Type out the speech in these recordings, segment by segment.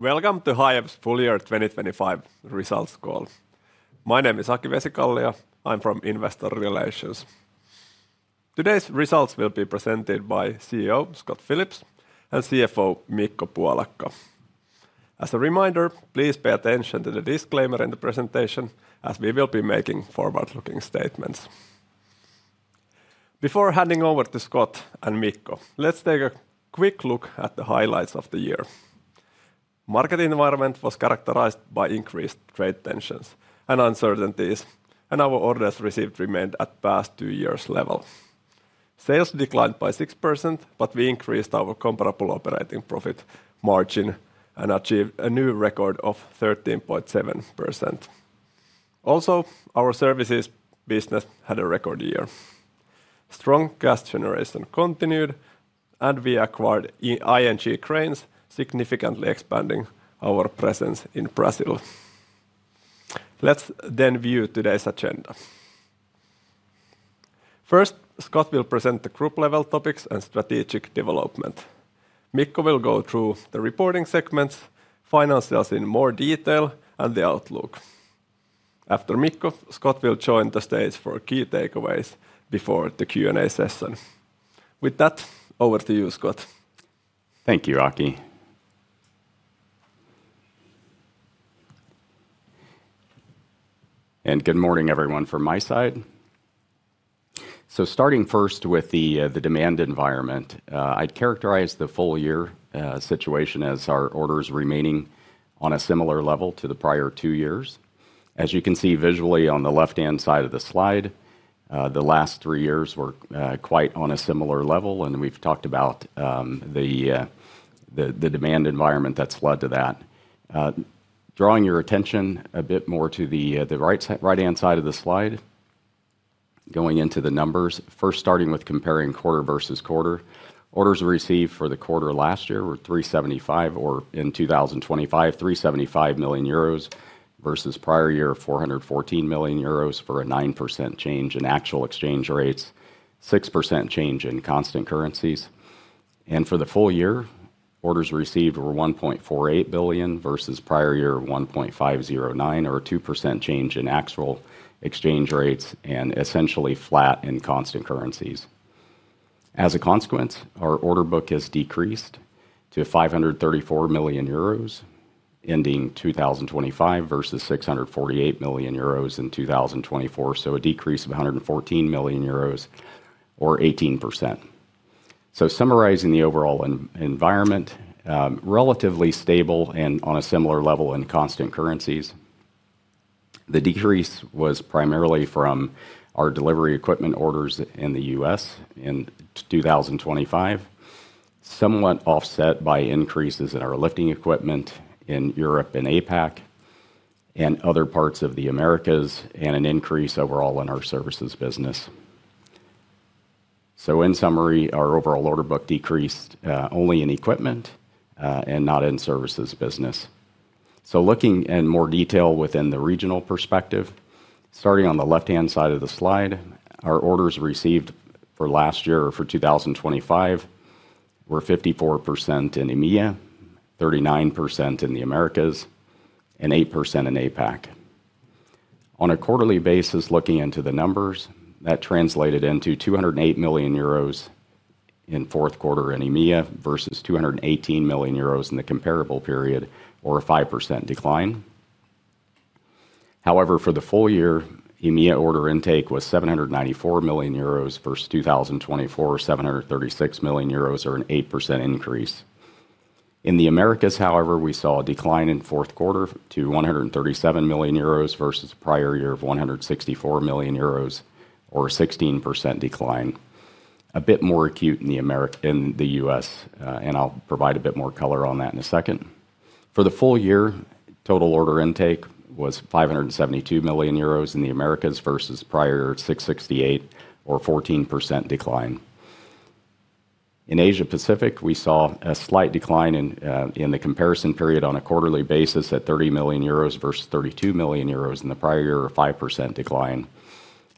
Welcome to Hiab's Full Year 2025 Results Call. My name is Aki Vesikallio. I'm from Investor Relations. Today's results will be presented by CEO, Scott Phillips, and CFO, Mikko Puolakka. As a reminder, please pay attention to the disclaimer in the presentation, as we will be making forward-looking statements. Before handing over to Scott and Mikko, let's take a quick look at the highlights of the year. Market environment was characterized by increased trade tensions and uncertainties, and our orders received remained at past two years' level. Sales declined by 6%, but we increased our comparable operating profit margin and achieved a new record of 13.7%. Also, our services business had a record year. Strong cash generation continued, and we acquired ING Cranes, significantly expanding our presence in Brazil. Let's then view today's agenda. First, Scott will present the group-level topics and strategic development. Mikko will go through the reporting segments, financials in more detail, and the outlook. After Mikko, Scott will join the stage for key takeaways before the Q&A session. With that, over to you, Scott. Thank you, Aki. And good morning, everyone, from my side. So starting first with the demand environment, I'd characterize the full year situation as our orders remaining on a similar level to the prior two years. As you can see visually on the left-hand side of the slide, the last three years were quite on a similar level, and we've talked about the demand environment that's led to that. Drawing your attention a bit more to the right-hand side of the slide, going into the numbers, first starting with comparing quarter versus quarter. Orders received for the quarter last year were 375 million, or in 2025, 375 million euros, versus prior year, 414 million euros, for a 9% change in actual exchange rates, 6% change in constant currencies. And for the full year, orders received were 1.48 billion, versus prior year, 1.509 billion, or a 2% change in actual exchange rates and essentially flat in constant currencies. As a consequence, our order book has decreased to 534 million euros, ending 2025, versus 648 million euros in 2024. So a decrease of 114 million euros or 18%. So summarizing the overall environment, relatively stable and on a similar level in constant currencies. The decrease was primarily from our delivery equipment orders in the U.S. in 2025, somewhat offset by increases in our lifting equipment in Europe and APAC, and other parts of the Americas, and an increase overall in our services business. So in summary, our overall order book decreased only in equipment, and not in services business. So looking in more detail within the regional perspective, starting on the left-hand side of the slide, our orders received for last year, or for 2025, were 54% in EMEA, 39% in the Americas, and 8% in APAC. On a quarterly basis, looking into the numbers, that translated into 208 million euros in fourth quarter in EMEA, versus 218 million euros in the comparable period, or a 5% decline. However, for the full year, EMEA order intake was 794 million euros versus 2024, 736 million euros, or an 8% increase. In the Americas, however, we saw a decline in fourth quarter to 137 million euros versus the prior year of 164 million euros, or a 16% decline. A bit more acute in the U.S., and I'll provide a bit more color on that in a second. For the full year, total order intake was 572 million euros in the Americas versus prior, 668, or 14% decline. In Asia Pacific, we saw a slight decline in the comparison period on a quarterly basis at 30 million euros versus 32 million euros in the prior year, a 5% decline.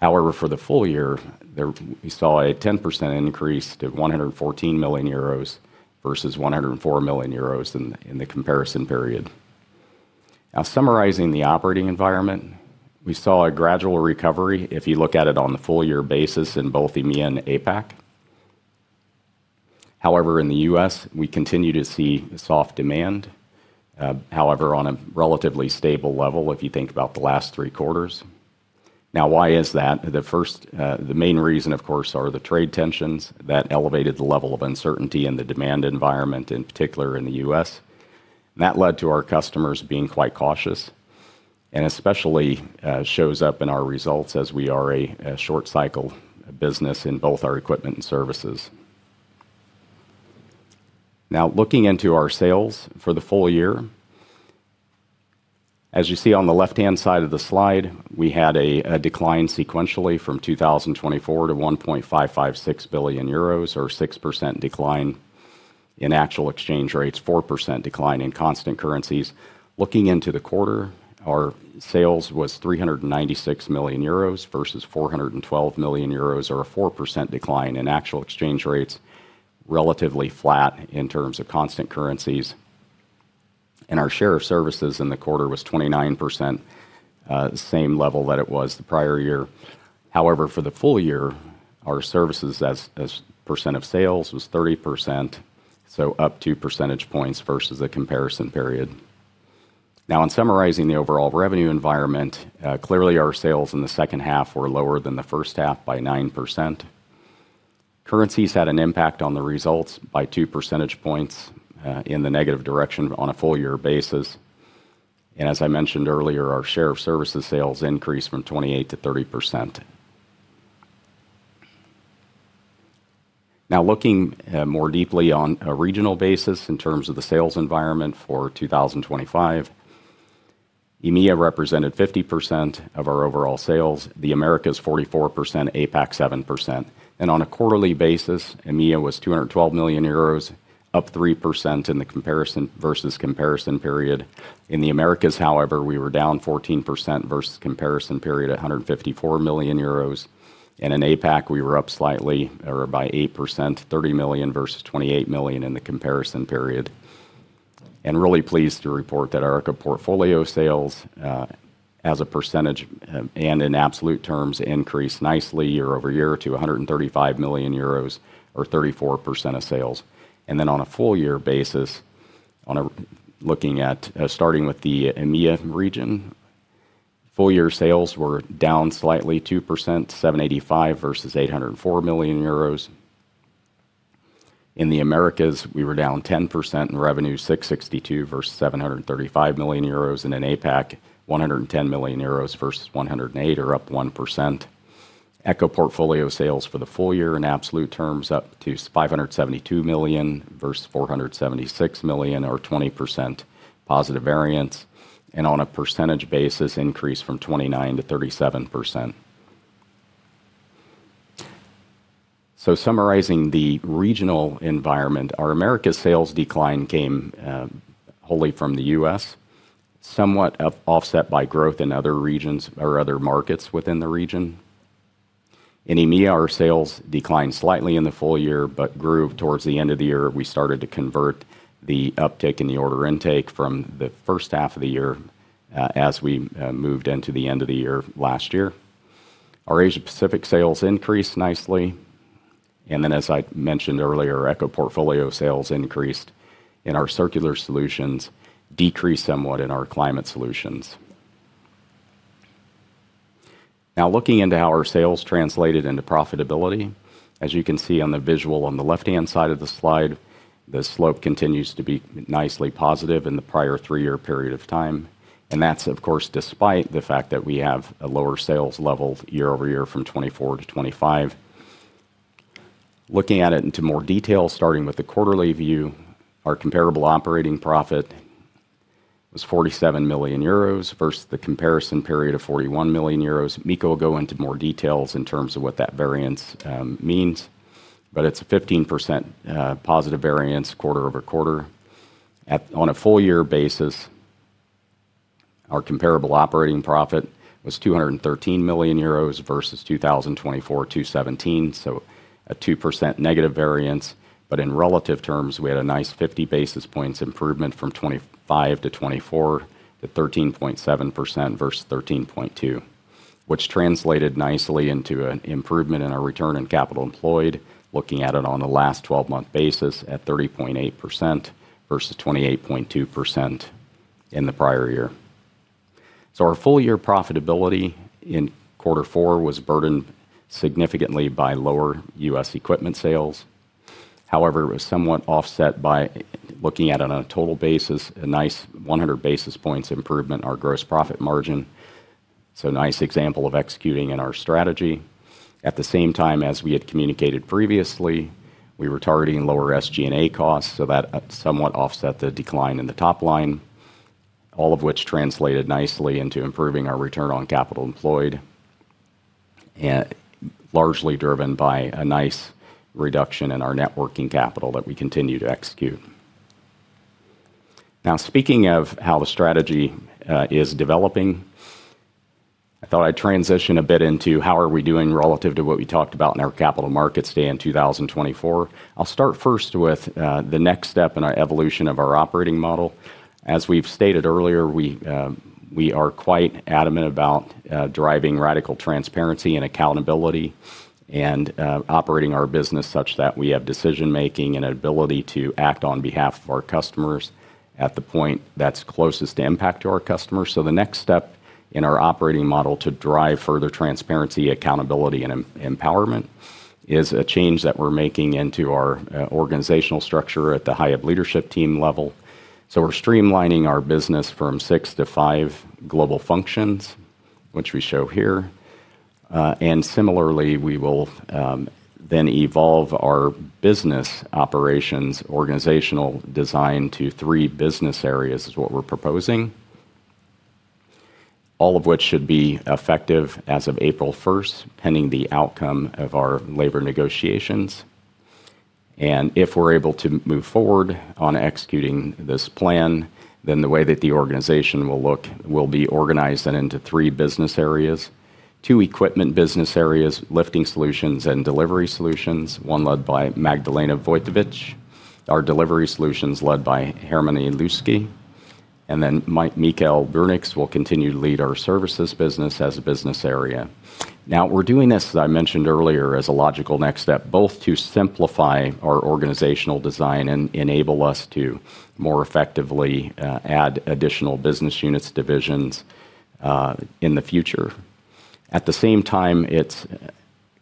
However, for the full year, there we saw a 10% increase to 114 million euros versus 104 million euros in the comparison period. Now, summarizing the operating environment, we saw a gradual recovery if you look at it on the full year basis in both EMEA and APAC. However, in the U.S., we continue to see soft demand, however, on a relatively stable level, if you think about the last three quarters. Now, why is that? The main reason, of course, are the trade tensions that elevated the level of uncertainty in the demand environment, in particular in the U.S. That led to our customers being quite cautious, and especially, shows up in our results as we are a short-cycle business in both our equipment and services. Now, looking into our sales for the full year, as you see on the left-hand side of the slide, we had a decline sequentially from 2024 to 1.556 billion euros or a 6% decline in actual exchange rates, 4% decline in constant currencies. Looking into the quarter, our sales was 396 million euros versus 412 million euros, or a 4% decline in actual exchange rates, relatively flat in terms of constant currencies. And our share of services in the quarter was 29%, same level that it was the prior year. However, for the full year, our services as percent of sales was 30%, so up two percentage points versus the comparison period. Now, in summarizing the overall revenue environment, clearly our sales in the second half were lower than the first half by 9%. Currencies had an impact on the results by 2 percentage points, in the negative direction on a full year basis. And as I mentioned earlier, our share of services sales increased from 28%-30%. Now, looking, more deeply on a regional basis in terms of the sales environment for 2025, EMEA represented 50% of our overall sales, the Americas 44%, APAC 7%. And on a quarterly basis, EMEA was 212 million euros, up 3% in the comparison versus comparison period. In the Americas, however, we were down 14% versus comparison period, 154 million euros, and in APAC, we were up slightly, or by 8%, 30 million versus 28 million in the comparison period. And really pleased to report that our Eco Portfolio sales, as a percentage, and in absolute terms, increased nicely year over year to 135 million euros or 34% of sales. And then on a full year basis, looking at, starting with the EMEA region, full year sales were down slightly 2%, 785 versus 804 million euros. In the Americas, we were down 10% in revenue, 662 versus 735 million euros, and in APAC, 110 million euros versus 108, or up 1%. Eco Portfolio sales for the full year in absolute terms, up to 572 million versus 476 million, or 20% positive variance, and on a percentage basis, increased from 29%-37%. Summarizing the regional environment, our Americas sales decline came wholly from the U.S., somewhat offset by growth in other regions or other markets within the region. In EMEA, our sales declined slightly in the full year, but grew towards the end of the year. We started to convert the uptick in the order intake from the first half of the year as we moved into the end of the year last year. Our Asia-Pacific sales increased nicely, and then, as I mentioned earlier, Eco Portfolio sales increased, and our circular solutions decreased somewhat in our climate solutions. Now, looking into how our sales translated into profitability, as you can see on the visual on the left-hand side of the slide, the slope continues to be nicely positive in the prior three-year period of time, and that's of course, despite the fact that we have a lower sales level year-over-year from 2024-2025. Looking at it in more detail, starting with the quarterly view, our comparable operating profit was 47 million euros versus the comparison period of 41 million euros. Mikko will go into more details in terms of what that variance means, but it's a 15% positive variance quarter-over-quarter. On a full year basis, our comparable operating profit was 213 million euros versus 2024's 217, so a 2% negative variance. But in relative terms, we had a nice 50 basis points improvement from 2025-2024, to 13.7% versus 13.2%, which translated nicely into an improvement in our return on capital employed, looking at it on a last twelve-month basis at 30.8% versus 28.2% in the prior year. So our full year profitability in quarter four was burdened significantly by lower U.S. equipment sales. However, it was somewhat offset by, looking at it on a total basis, a nice 100 basis points improvement in our gross profit margin. So a nice example of executing in our strategy. At the same time, as we had communicated previously, we were targeting lower SG&A costs, so that somewhat offset the decline in the top line, all of which translated nicely into improving our return on capital employed, and largely driven by a nice reduction in our net working capital that we continue to execute. Now, speaking of how the strategy is developing, I thought I'd transition a bit into how are we doing relative to what we talked about in our Capital Markets Day in 2024. I'll start first with the next step in our evolution of our operating model. As we've stated earlier, we are quite adamant about driving radical transparency and accountability and operating our business such that we have decision-making and ability to act on behalf of our customers at the point that's closest to impact to our customers. So the next step in our operating model to drive further transparency, accountability, and empowerment, is a change that we're making into our organizational structure at the Hiab leadership team level. So we're streamlining our business from six to five global functions, which we show here. And similarly, we will then evolve our business operations' organizational design to three business areas, is what we're proposing. All of which should be effective as of April 1st, pending the outcome of our labor negotiations. If we're able to move forward on executing this plan, then the way that the organization will look will be organized into three business areas. Two equipment business areas, Lifting Solutions and Delivery Solutions, one led by Magdalena Wojtowicz. Our Delivery Solutions led by Hermanni Lyyski, and then Michael Bruninx will continue to lead our services business as a business area. Now, we're doing this, as I mentioned earlier, as a logical next step, both to simplify our organizational design and enable us to more effectively add additional business units, divisions, in the future. At the same time, it's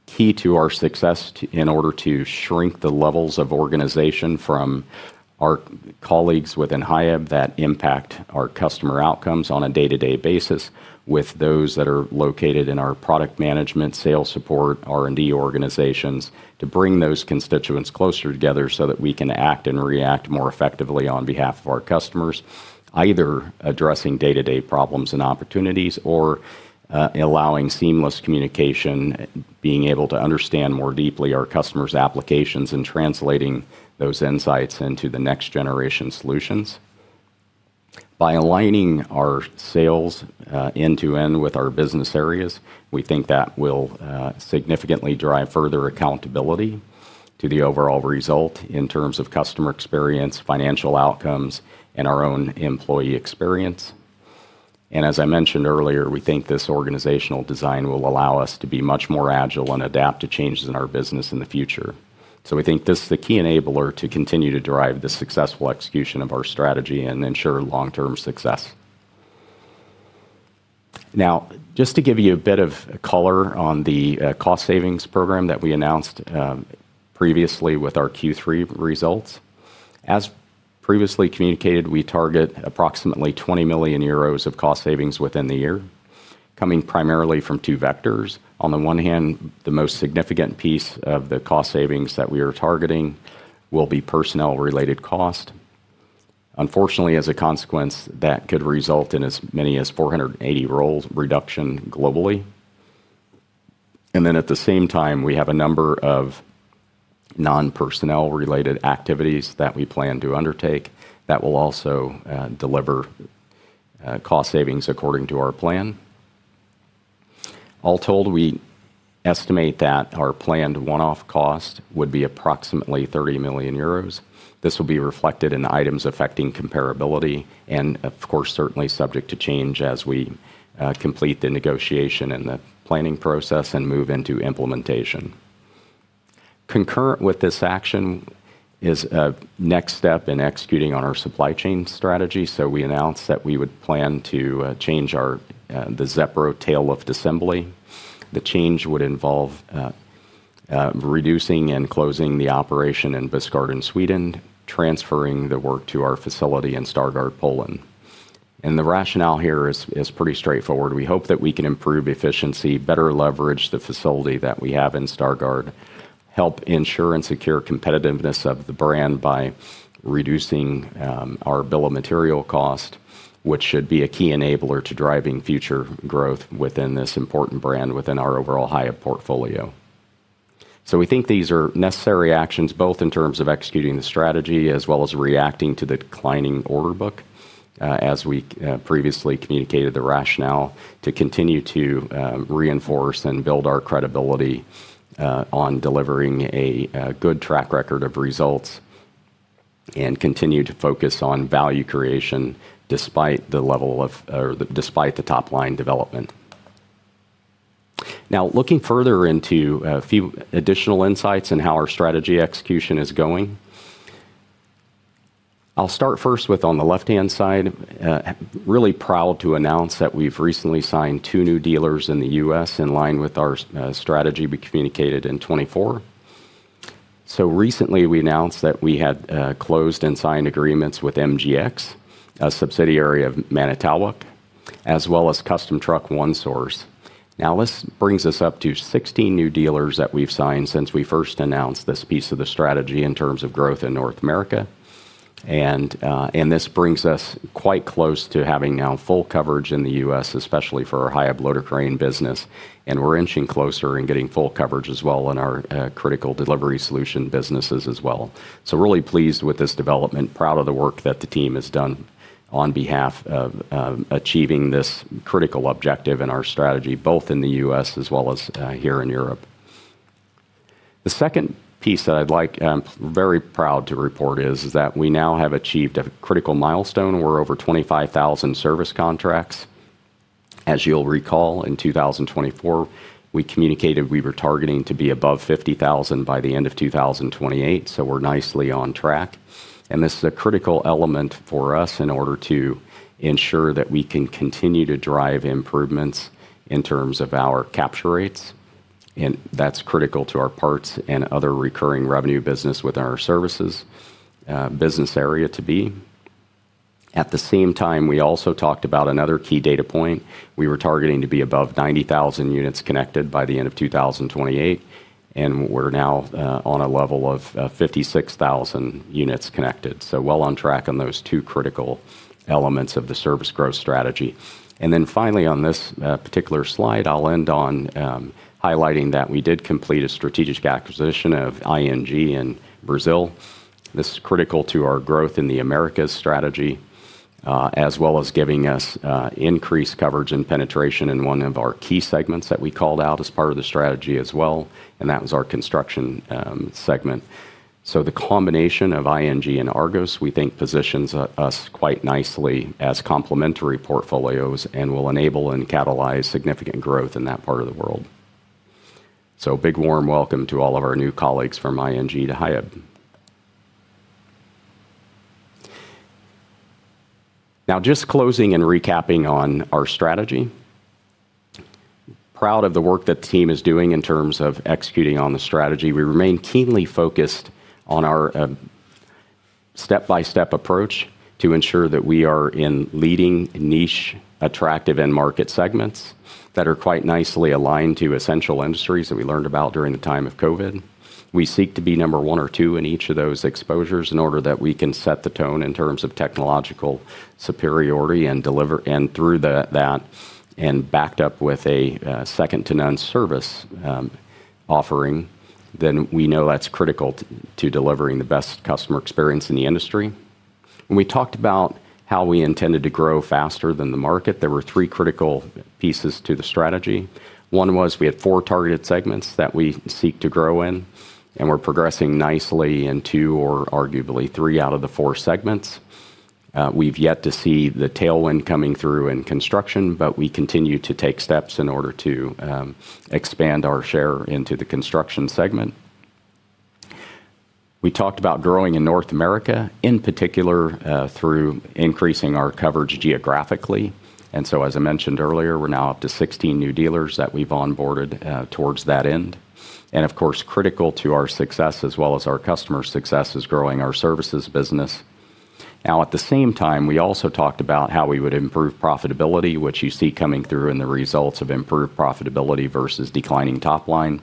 key to our success to, in order to shrink the levels of organization from our colleagues within Hiab that impact our customer outcomes on a day-to-day basis, with those that are located in our product management, sales support, R&D organizations, to bring those constituents closer together so that we can act and react more effectively on behalf of our customers. Either addressing day-to-day problems and opportunities, or allowing seamless communication, being able to understand more deeply our customers' applications and translating those insights into the next generation solutions. By aligning our sales end-to-end with our business areas, we think that will significantly drive further accountability to the overall result in terms of customer experience, financial outcomes, and our own employee experience. As I mentioned earlier, we think this organizational design will allow us to be much more agile and adapt to changes in our business in the future. So we think this is the key enabler to continue to drive the successful execution of our strategy and ensure long-term success. Now, just to give you a bit of color on the cost savings program that we announced previously with our Q3 results. As previously communicated, we target approximately 20 million euros of cost savings within the year, coming primarily from two vectors. On the one hand, the most significant piece of the cost savings that we are targeting will be personnel-related cost. Unfortunately, as a consequence, that could result in as many as 480 roles reduction globally. And then at the same time, we have a number of non-personnel related activities that we plan to undertake that will also deliver cost savings according to our plan. All told, we estimate that our planned one-off cost would be approximately 30 million euros. This will be reflected in items affecting comparability and, of course, certainly subject to change as we complete the negotiation and the planning process and move into implementation. Concurrent with this action is a next step in executing on our supply chain strategy. So we announced that we would plan to change our the Zepro tail lift assembly. The change would involve reducing and closing the operation in Bispgården, in Sweden, transferring the work to our facility in Stargard, Poland. And the rationale here is pretty straightforward. We hope that we can improve efficiency, better leverage the facility that we have in Stargard, help ensure and secure competitiveness of the brand by reducing our bill of material cost, which should be a key enabler to driving future growth within this important brand, within our overall Hiab portfolio. So we think these are necessary actions, both in terms of executing the strategy as well as reacting to the declining order book. As we previously communicated, the rationale to continue to reinforce and build our credibility on delivering a good track record of results and continue to focus on value creation despite the level of, or despite the top-line development. Now, looking further into a few additional insights on how our strategy execution is going. I'll start first with, on the left-hand side, really proud to announce that we've recently signed two new dealers in the U.S. in line with our strategy we communicated in 2024. Recently, we announced that we had closed and signed agreements with MGX, a subsidiary of Manitowoc, as well as Custom Truck One Source. Now, this brings us up to 16 new dealers that we've signed since we first announced this piece of the strategy in terms of growth in North America. And this brings us quite close to having now full coverage in the U.S., especially for our Hiab loader crane business, and we're inching closer and getting full coverage as well in our critical delivery solution businesses as well. So really pleased with this development. Proud of the work that the team has done on behalf of achieving this critical objective in our strategy, both in the U.S. as well as here in Europe. The second piece that I'd like, I'm very proud to report is that we now have achieved a critical milestone. We're over 25,000 service contracts. As you'll recall, in 2024, we communicated we were targeting to be above 50,000 by the end of 2028, so we're nicely on track, and this is a critical element for us in order to ensure that we can continue to drive improvements in terms of our capture rates, and that's critical to our parts and other recurring revenue business within our services business area to be. At the same time, we also talked about another key data point. We were targeting to be above 90,000 units connected by the end of 2028, and we're now on a level of 56,000 units connected, so well on track on those two critical elements of the service growth strategy. And then finally, on this particular slide, I'll end on highlighting that we did complete a strategic acquisition of ING in Brazil. This is critical to our growth in the Americas strategy, as well as giving us increased coverage and penetration in one of our key segments that we called out as part of the strategy as well, and that was our construction segment. So the combination of ING and Argos, we think, positions us, us quite nicely as complementary portfolios and will enable and catalyze significant growth in that part of the world. So big, warm welcome to all of our new colleagues from ING to Hiab. Now, just closing and recapping on our strategy. Proud of the work that the team is doing in terms of executing on the strategy. We remain keenly focused on our step-by-step approach to ensure that we are in leading, niche, attractive, end market segments that are quite nicely aligned to essential industries that we learned about during the time of COVID. We seek to be number one or two in each of those exposures in order that we can set the tone in terms of technological superiority and deliver and through that, and backed up with a second-to-none service offering, then we know that's critical to delivering the best customer experience in the industry. When we talked about how we intended to grow faster than the market, there were three critical pieces to the strategy. One was we had four targeted segments that we seek to grow in, and we're progressing nicely in two or arguably three out of the four segments. We've yet to see the tailwind coming through in construction, but we continue to take steps in order to expand our share into the construction segment. We talked about growing in North America, in particular, through increasing our coverage geographically. And so, as I mentioned earlier, we're now up to 16 new dealers that we've onboarded towards that end. And of course, critical to our success, as well as our customer success, is growing our services business. Now, at the same time, we also talked about how we would improve profitability, which you see coming through in the results of improved profitability versus declining top line.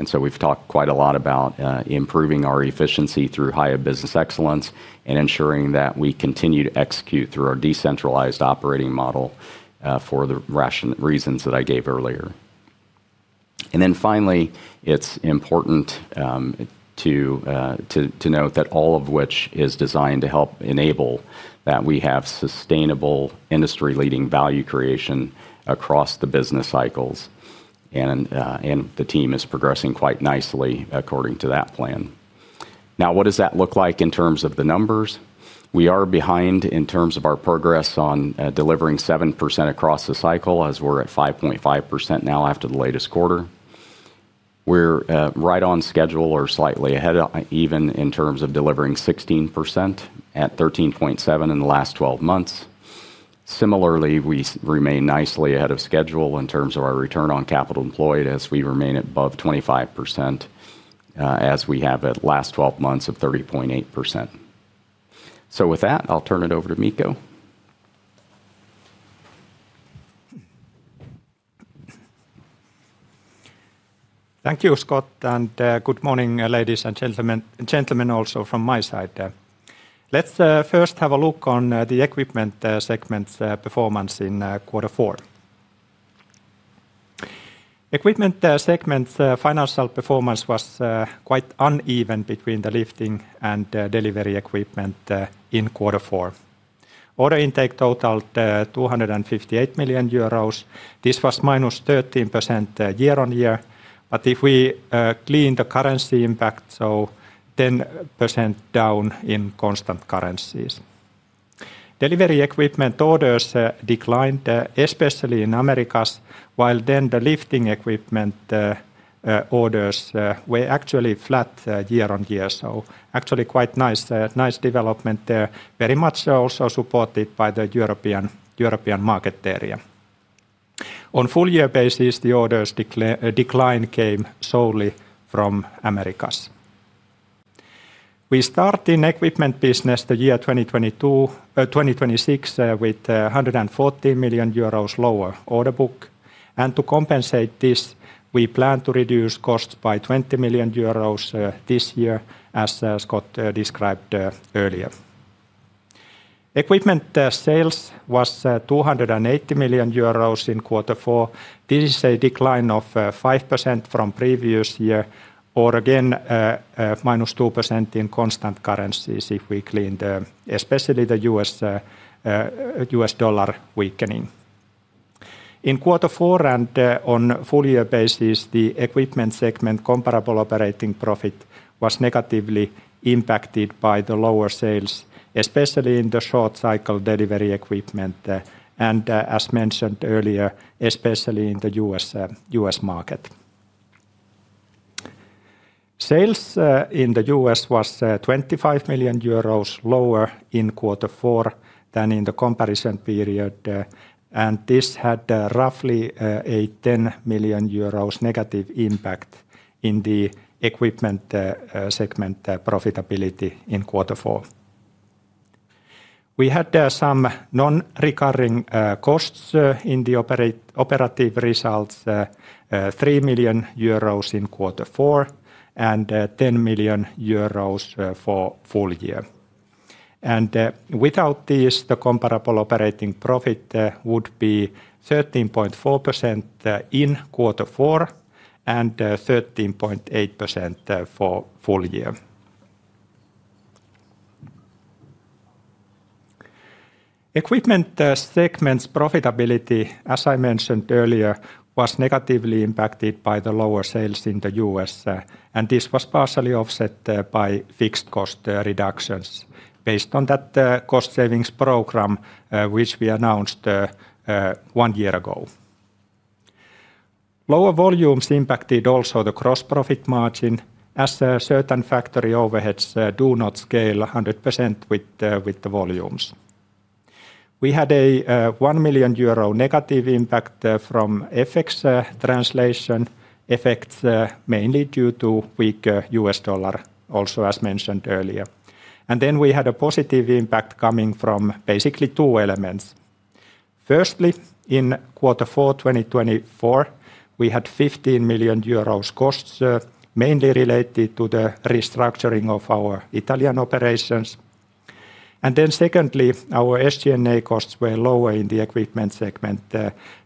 And so we've talked quite a lot about improving our efficiency through higher business excellence and ensuring that we continue to execute through our decentralized operating model for the reasons that I gave earlier. And then finally, it's important to note that all of which is designed to help enable that we have sustainable industry-leading value creation across the business cycles, and the team is progressing quite nicely according to that plan. Now, what does that look like in terms of the numbers? We are behind in terms of our progress on delivering 7% across the cycle, as we're at 5.5% now after the latest quarter. We're right on schedule or slightly ahead, even in terms of delivering 16% at 13.7 in the last twelve months. Similarly, we remain nicely ahead of schedule in terms of our return on capital employed, as we remain above 25%, as we have at last twelve months of 30.8%. So with that, I'll turn it over to Mikko. Thank you, Scott, and good morning, ladies and gentlemen, gentlemen also from my side. Let's first have a look on the equipment segment's performance in quarter four. Equipment segment's financial performance was quite uneven between the lifting and delivery equipment in quarter four. Order intake totaled 258 million euros. This was -13% year-on-year, but if we clean the currency impact, so 10% down in constant currencies. Delivery equipment orders declined especially in Americas, while then the lifting equipment orders were actually flat year-on-year. So actually quite nice development there. Very much also supported by the European market area. On full year basis, the orders decline came solely from Americas. We start in equipment business, the year 2022... 2026, with a 140 million euros lower order book, and to compensate this, we plan to reduce costs by 20 million euros this year, as Scott described earlier. Equipment sales was 280 million euros in quarter four. This is a decline of 5% from previous year, or again, -2% in constant currencies if we clean the, especially the U.S. dollar weakening. In quarter four and on full year basis, the equipment segment comparable operating profit was negatively impacted by the lower sales, especially in the short cycle delivery equipment, and as mentioned earlier, especially in the U.S. market. Sales in the U.S. was 25 million euros lower in quarter four than in the comparison period, and this had roughly a 10 million euros negative impact in the equipment segment profitability in quarter four. We had some non-recurring costs in the operating results, 3 million euros in quarter four and 10 million euros for full year. Without these, the comparable operating profit would be 13.4% in quarter four and 13.8% for full year. Equipment segment's profitability, as I mentioned earlier, was negatively impacted by the lower sales in the U.S., and this was partially offset by fixed cost reductions based on that cost savings program, which we announced one year ago. Lower volumes impacted also the gross profit margin, as certain factory overheads do not scale 100% with the volumes. We had a 1 million euro negative impact from FX translation effects mainly due to weak U.S. dollar, also as mentioned earlier. And then we had a positive impact coming from basically two elements. Firstly, in quarter four 2024, we had 15 million euros costs mainly related to the restructuring of our Italian operations. And then secondly, our SG&A costs were lower in the equipment segment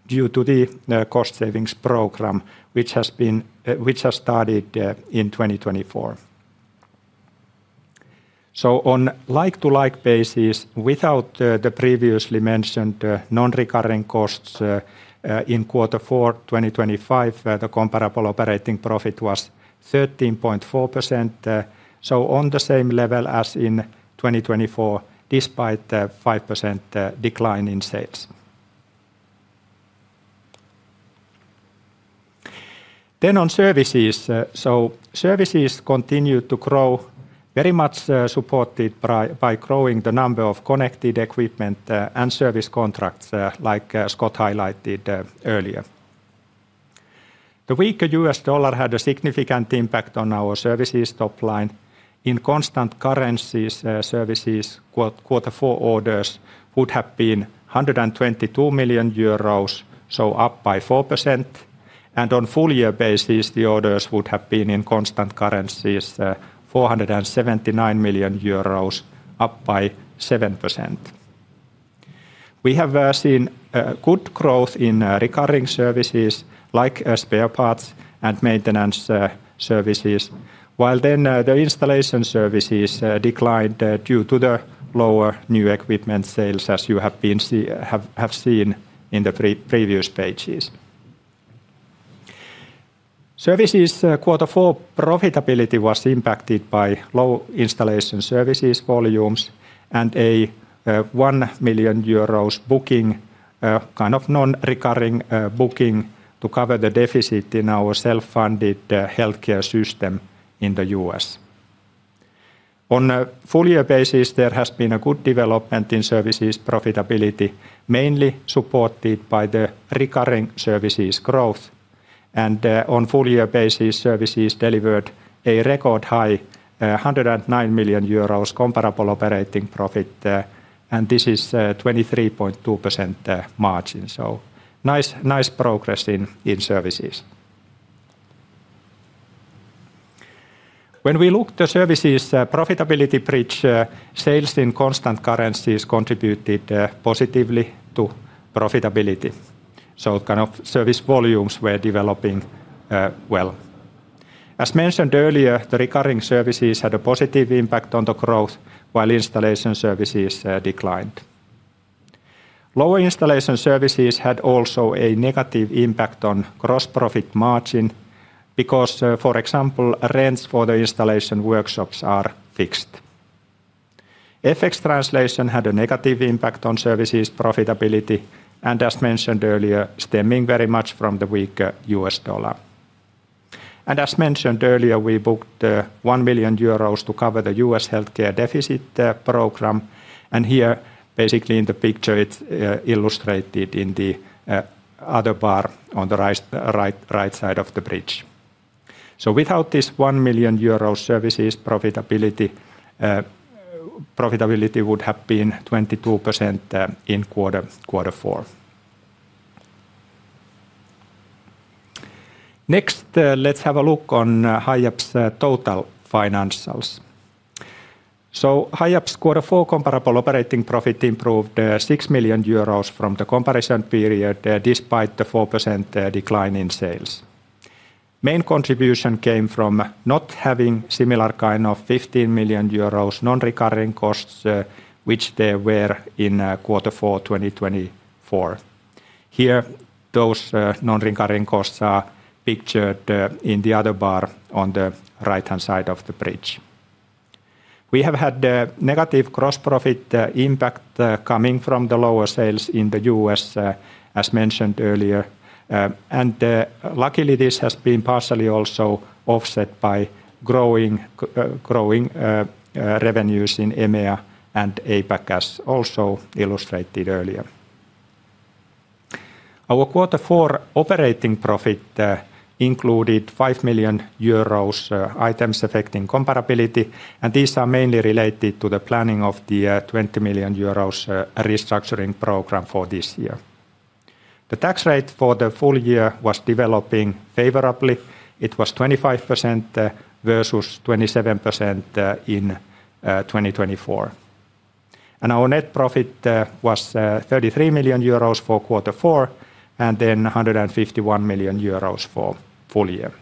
due to the cost savings program, which has started in 2024. So on like-to-like basis, without the previously mentioned non-recurring costs, in quarter four 2025, the comparable operating profit was 13.4%, so on the same level as in 2024, despite the 5% decline in sales. Then on services, so services continued to grow, very much supported by growing the number of connected equipment and service contracts, like Scott highlighted earlier. The weaker U.S. dollar had a significant impact on our services top line. In constant currencies, services quarter four orders would have been 122 million euros, so up by 4%, and on full year basis, the orders would have been in constant currencies 479 million euros, up by 7%. We have seen good growth in recurring services like spare parts and maintenance services, while the installation services declined due to the lower new equipment sales, as you have seen in the previous pages. Services quarter four profitability was impacted by low installation services volumes and a 1 million euros booking, kind of non-recurring booking to cover the deficit in our self-funded healthcare system in the U.S. On a full year basis, there has been a good development in services profitability, mainly supported by the recurring services growth, and on full year basis, services delivered a record high 109 million euros comparable operating profit, and this is 23.2% margin. So nice progress in services. When we look the services profitability bridge, sales in constant currencies contributed positively to profitability. So kind of service volumes were developing well. As mentioned earlier, the recurring services had a positive impact on the growth, while installation services declined. Lower installation services had also a negative impact on gross profit margin because, for example, rents for the installation workshops are fixed. FX translation had a negative impact on services profitability, and as mentioned earlier, stemming very much from the weaker U.S. dollar. As mentioned earlier, we booked 1 million euros to cover the U.S. healthcare deficit program, and here, basically in the picture, it's illustrated in the other bar on the right side of the bridge. So without this 1 million euro services profitability, profitability would have been 22%, in quarter four. Next, let's have a look on Hiab's total financials. So Hiab's quarter four comparable operating profit improved 6 million euros from the comparison period, despite the 4% decline in sales. Main contribution came from not having similar kind of 15 million euros non-recurring costs, which there were in quarter four 2024. Here, those non-recurring costs are pictured in the other bar on the right-hand side of the bridge. We have had negative gross profit impact coming from the lower sales in the U.S., as mentioned earlier, and, luckily, this has been partially also offset by growing revenues in EMEA and APAC, as also illustrated earlier. Our quarter four operating profit included 5 million euros items affecting comparability, and these are mainly related to the planning of the 20 million euros restructuring program for this year. The tax rate for the full year was developing favorably. It was 25%, versus 27% in 2024. And our net profit was 33 million euros for quarter four, and then 151 million euros for full year.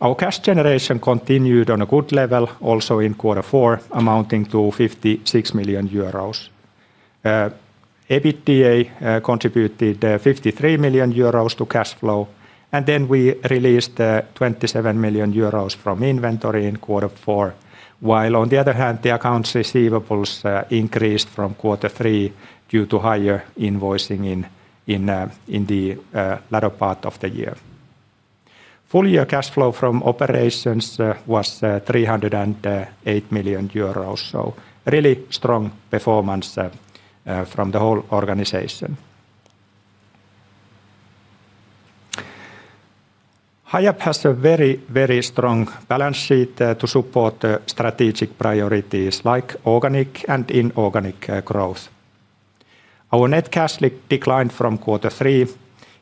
Our cash generation continued on a good level, also in quarter four, amounting to 56 million euros. EBITDA contributed 53 million euros to cash flow, and then we released 27 million euros from inventory in quarter four, while on the other hand, the accounts receivables increased from quarter three due to higher invoicing in the latter part of the year. Full-year cash flow from operations was 308 million euros, so really strong performance from the whole organization. Hiab has a very, very strong balance sheet to support the strategic priorities, like organic and inorganic growth. Our net cash declined from quarter three.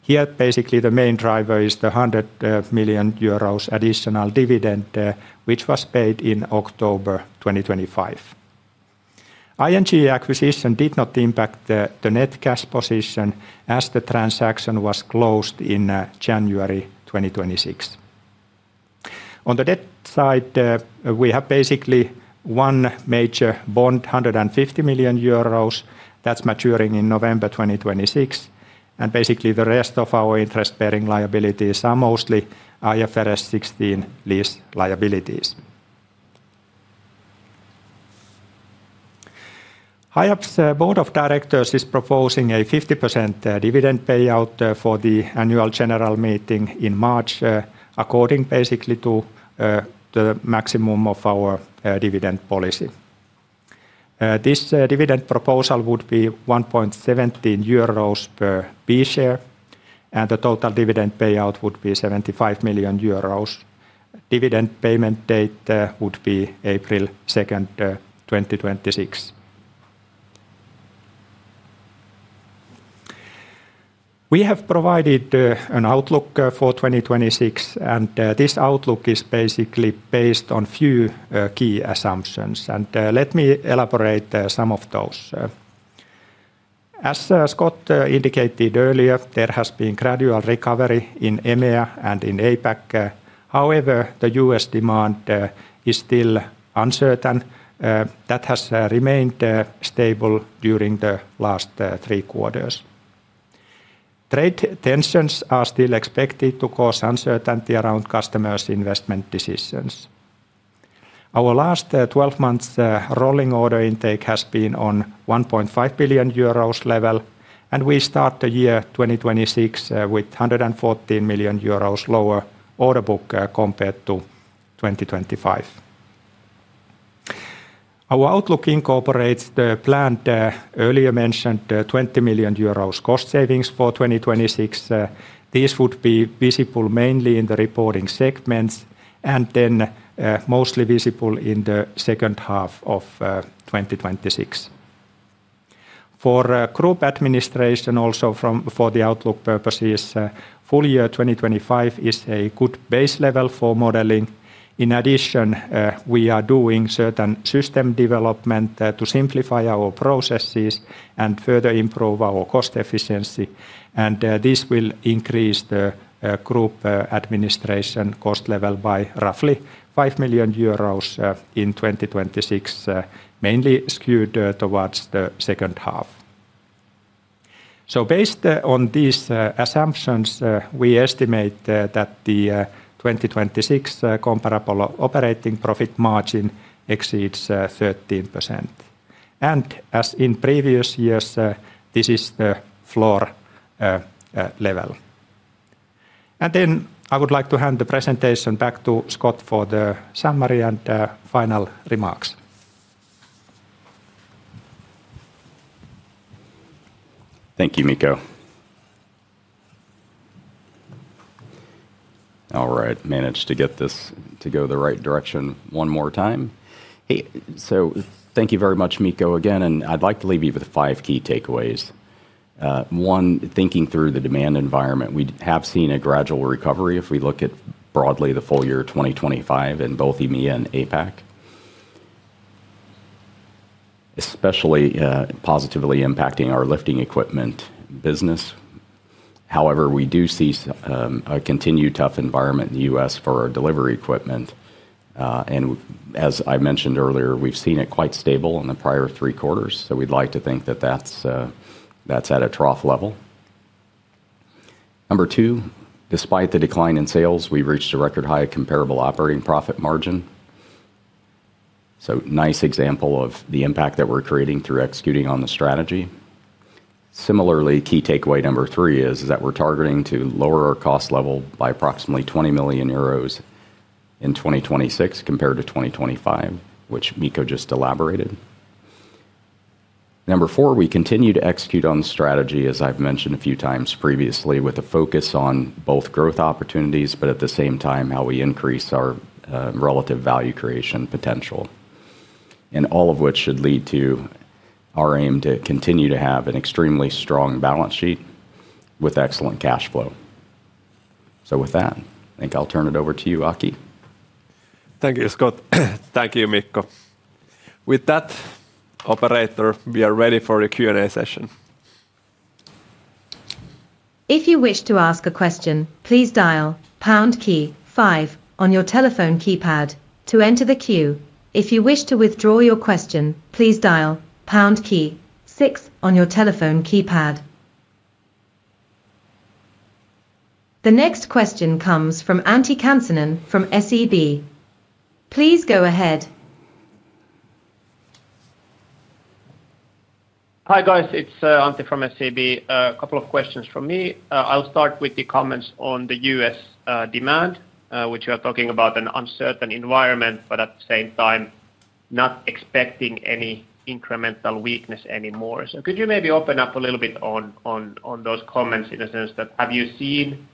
Here, basically, the main driver is the 100 million euros additional dividend, which was paid in October 2025. ING acquisition did not impact the net cash position, as the transaction was closed in January 2026. On the debt side, we have basically one major bond, 150 million euros, that's maturing in November 2026, and basically, the rest of our interest-bearing liabilities are mostly IFRS 16 lease liabilities. Hiab's board of directors is proposing a 50% dividend payout for the annual general meeting in March according basically to the maximum of our dividend policy. This dividend proposal would be 1.17 euros per B share, and the total dividend payout would be 75 million euros. Dividend payment date would be April 2nd, 2026. We have provided an outlook for 2026, and this outlook is basically based on few key assumptions, and let me elaborate some of those. As Scott indicated earlier, there has been gradual recovery in EMEA and in APAC. However, the U.S. demand is still uncertain that has remained stable during the last three quarters. Trade tensions are still expected to cause uncertainty around customers' investment decisions. Our last twelve months rolling order intake has been on 1.5 billion euros level, and we start the year 2026 with 114 million euros lower order book compared to 2025. Our outlook incorporates the planned earlier mentioned 20 million euros cost savings for 2026. These would be visible mainly in the reporting segments and then mostly visible in the second half of 2026. For group administration, for the outlook purposes, full year 2025 is a good base level for modeling. In addition, we are doing certain system development to simplify our processes and further improve our cost efficiency, and this will increase the group administration cost level by roughly 5 million euros in 2026, mainly skewed towards the second half. So based on these assumptions, we estimate that the 2026 comparable operating profit margin exceeds 13%. And as in previous years, this is the floor level. And then I would like to hand the presentation back to Scott for the summary and final remarks. Thank you, Mikko. All right, managed to get this to go the right direction one more time. Hey, so thank you very much, Mikko, again, and I'd like to leave you with five key takeaways. One, thinking through the demand environment, we have seen a gradual recovery if we look at broadly the full year 2025 in both EMEA and APAC, especially, positively impacting our lifting equipment business. However, we do see a continued tough environment in the U.S. for our delivery equipment, and as I mentioned earlier, we've seen it quite stable in the prior three quarters. So we'd like to think that that's, that's at a trough level. Number two, despite the decline in sales, we've reached a record high comparable operating profit margin, so nice example of the impact that we're creating through executing on the strategy. Similarly, key takeaway number three is that we're targeting to lower our cost level by approximately 20 million euros in 2026, compared to 2025, which Mikko just elaborated. Number four, we continue to execute on the strategy, as I've mentioned a few times previously, with a focus on both growth opportunities, but at the same time, how we increase our relative value creation potential. And all of which should lead to our aim to continue to have an extremely strong balance sheet with excellent cash flow.... So with that, I think I'll turn it over to you, Aki. Thank you, Scott. Thank you, Mikko. With that, operator, we are ready for the Q&A session. If you wish to ask a question, please dial pound key five on your telephone keypad to enter the queue. If you wish to withdraw your question, please dial pound key six on your telephone keypad. The next question comes from Antti Kansanen from SEB. Please go ahead. Hi, guys, it's Antti from SEB. A couple of questions from me. I'll start with the comments on the U.S. demand, which you are talking about an uncertain environment, but at the same time, not expecting any incremental weakness anymore. So could you maybe open up a little bit on those comments, in a sense that have you seen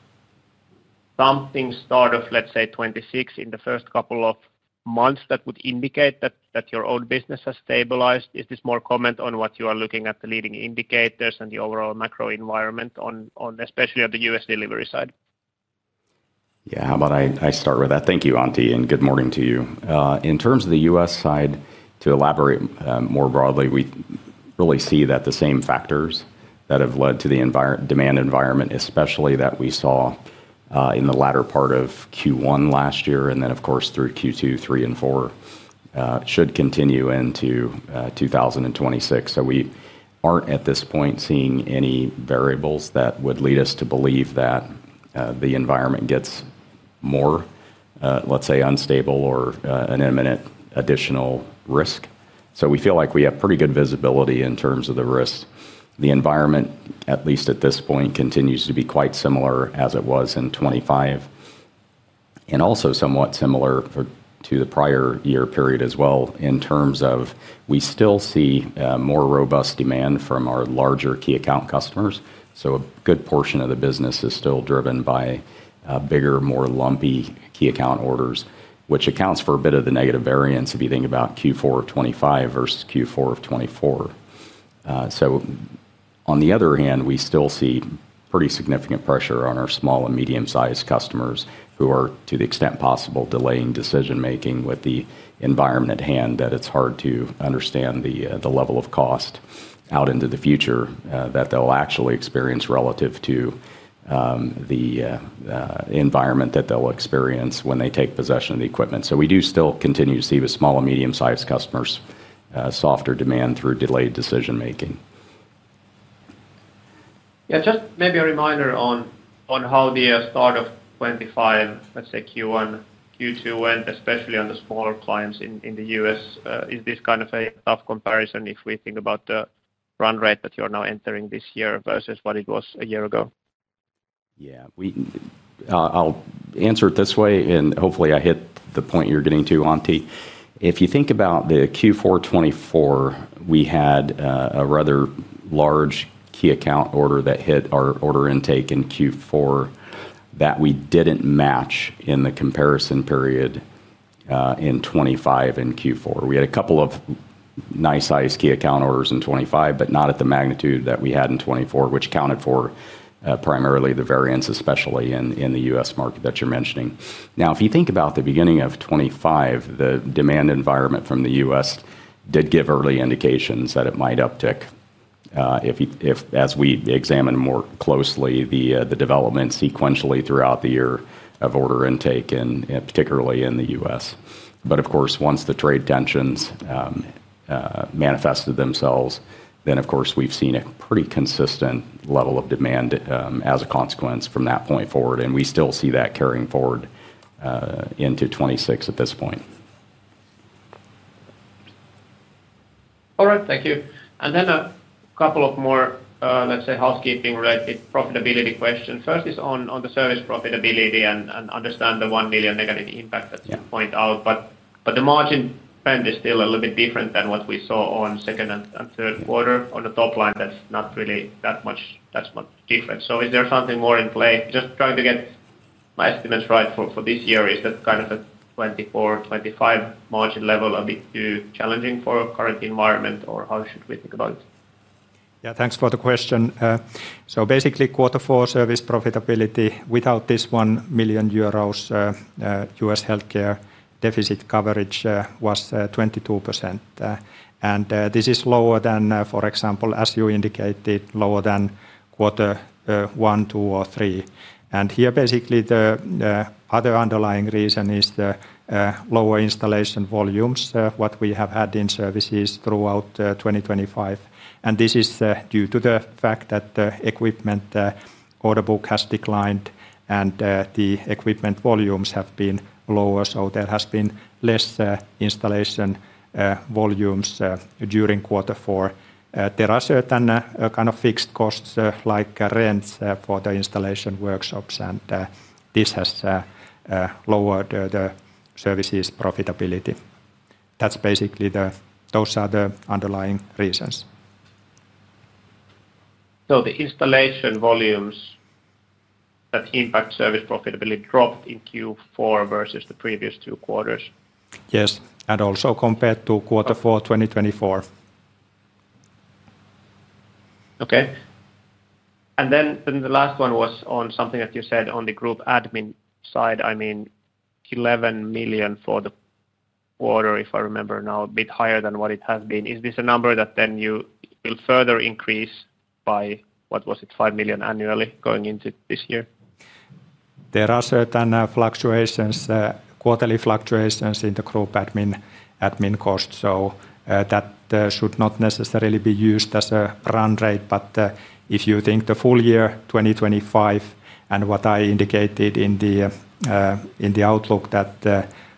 something start of, let's say, 2026 in the first couple of months that would indicate that your own business has stabilized? Is this more comment on what you are looking at, the leading indicators and the overall macro environment on especially on the U.S. delivery side? Yeah. How about I start with that? Thank you, Antti, and good morning to you. In terms of the U.S. side, to elaborate, more broadly, we really see that the same factors that have led to the enviable demand environment, especially that we saw in the latter part of Q1 last year, and then, of course, through Q2, Q3, and Q4, should continue into 2026. So we aren't, at this point, seeing any variables that would lead us to believe that the environment gets more, let's say, unstable or an imminent additional risk. So we feel like we have pretty good visibility in terms of the risk. The environment, at least at this point, continues to be quite similar as it was in 2025, and also somewhat similar to the prior year period as well, in terms of we still see more robust demand from our larger key account customers. So a good portion of the business is still driven by bigger, more lumpy key account orders, which accounts for a bit of the negative variance if you think about Q4 of 2025 versus Q4 of 2024. So on the other hand, we still see pretty significant pressure on our small and medium-sized customers who are, to the extent possible, delaying decision-making with the environment at hand, that it's hard to understand the level of cost out into the future that they'll actually experience relative to the environment that they'll experience when they take possession of the equipment. So we do still continue to see the small and medium-sized customers softer demand through delayed decision making. Yeah, just maybe a reminder on how the start of 2025, let's say Q1, Q2, went, especially on the smaller clients in the U.S. Is this kind of a tough comparison if we think about the run rate that you are now entering this year versus what it was a year ago? Yeah. I'll answer it this way, and hopefully, I hit the point you're getting to, Antti. If you think about the Q4 2024, we had a rather large key account order that hit our order intake in Q4, that we didn't match in the comparison period in 2025, in Q4. We had a couple of nice-sized key account orders in 2025, but not at the magnitude that we had in 2024, which accounted for primarily the variance, especially in the U.S. market that you're mentioning. Now, if you think about the beginning of 2025, the demand environment from the U.S. did give early indications that it might uptick. As we examine more closely, the development sequentially throughout the year of order intake, and particularly in the U.S. But of course, once the trade tensions manifested themselves, then, of course, we've seen a pretty consistent level of demand, as a consequence from that point forward, and we still see that carrying forward into 2026 at this point. All right, thank you. Then a couple of more, let's say, housekeeping-related profitability questions. First is on the service profitability and understand the 1 million negative impact that Yeah... you point out. But the margin trend is still a little bit different than what we saw on second and third quarter. On the top line, that's not really that much different. So is there something more in play? Just trying to get my estimates right for this year. Is that kind of a 24%-25% margin level a bit too challenging for current environment, or how should we think about it? Yeah, thanks for the question. So basically, quarter four service profitability without this 1 million euros U.S. healthcare deficit coverage was 22%. And this is lower than, for example, as you indicated, lower than quarter one, two, or three. Here, basically, the other underlying reason is the lower installation volumes what we have had in services throughout 2025. And this is due to the fact that the equipment order book has declined and the equipment volumes have been lower, so there has been less installation volumes during quarter four. There are certain kind of fixed costs, like rents, for the installation workshops, and this has lowered the services profitability. That's basically. Those are the underlying reasons. The installation volumes that impact service profitability dropped in Q4 versus the previous two quarters? Yes, and also compared to quarter four, 2024.... Okay. And then, then the last one was on something that you said on the group admin side. I mean, 11 million for the quarter, if I remember now, a bit higher than what it has been. Is this a number that then you will further increase by, what was it? 5 million annually going into this year? There are certain fluctuations, quarterly fluctuations in the group admin admin cost, so that should not necessarily be used as a run rate. But if you think the full year 2025, and what I indicated in the in the outlook, that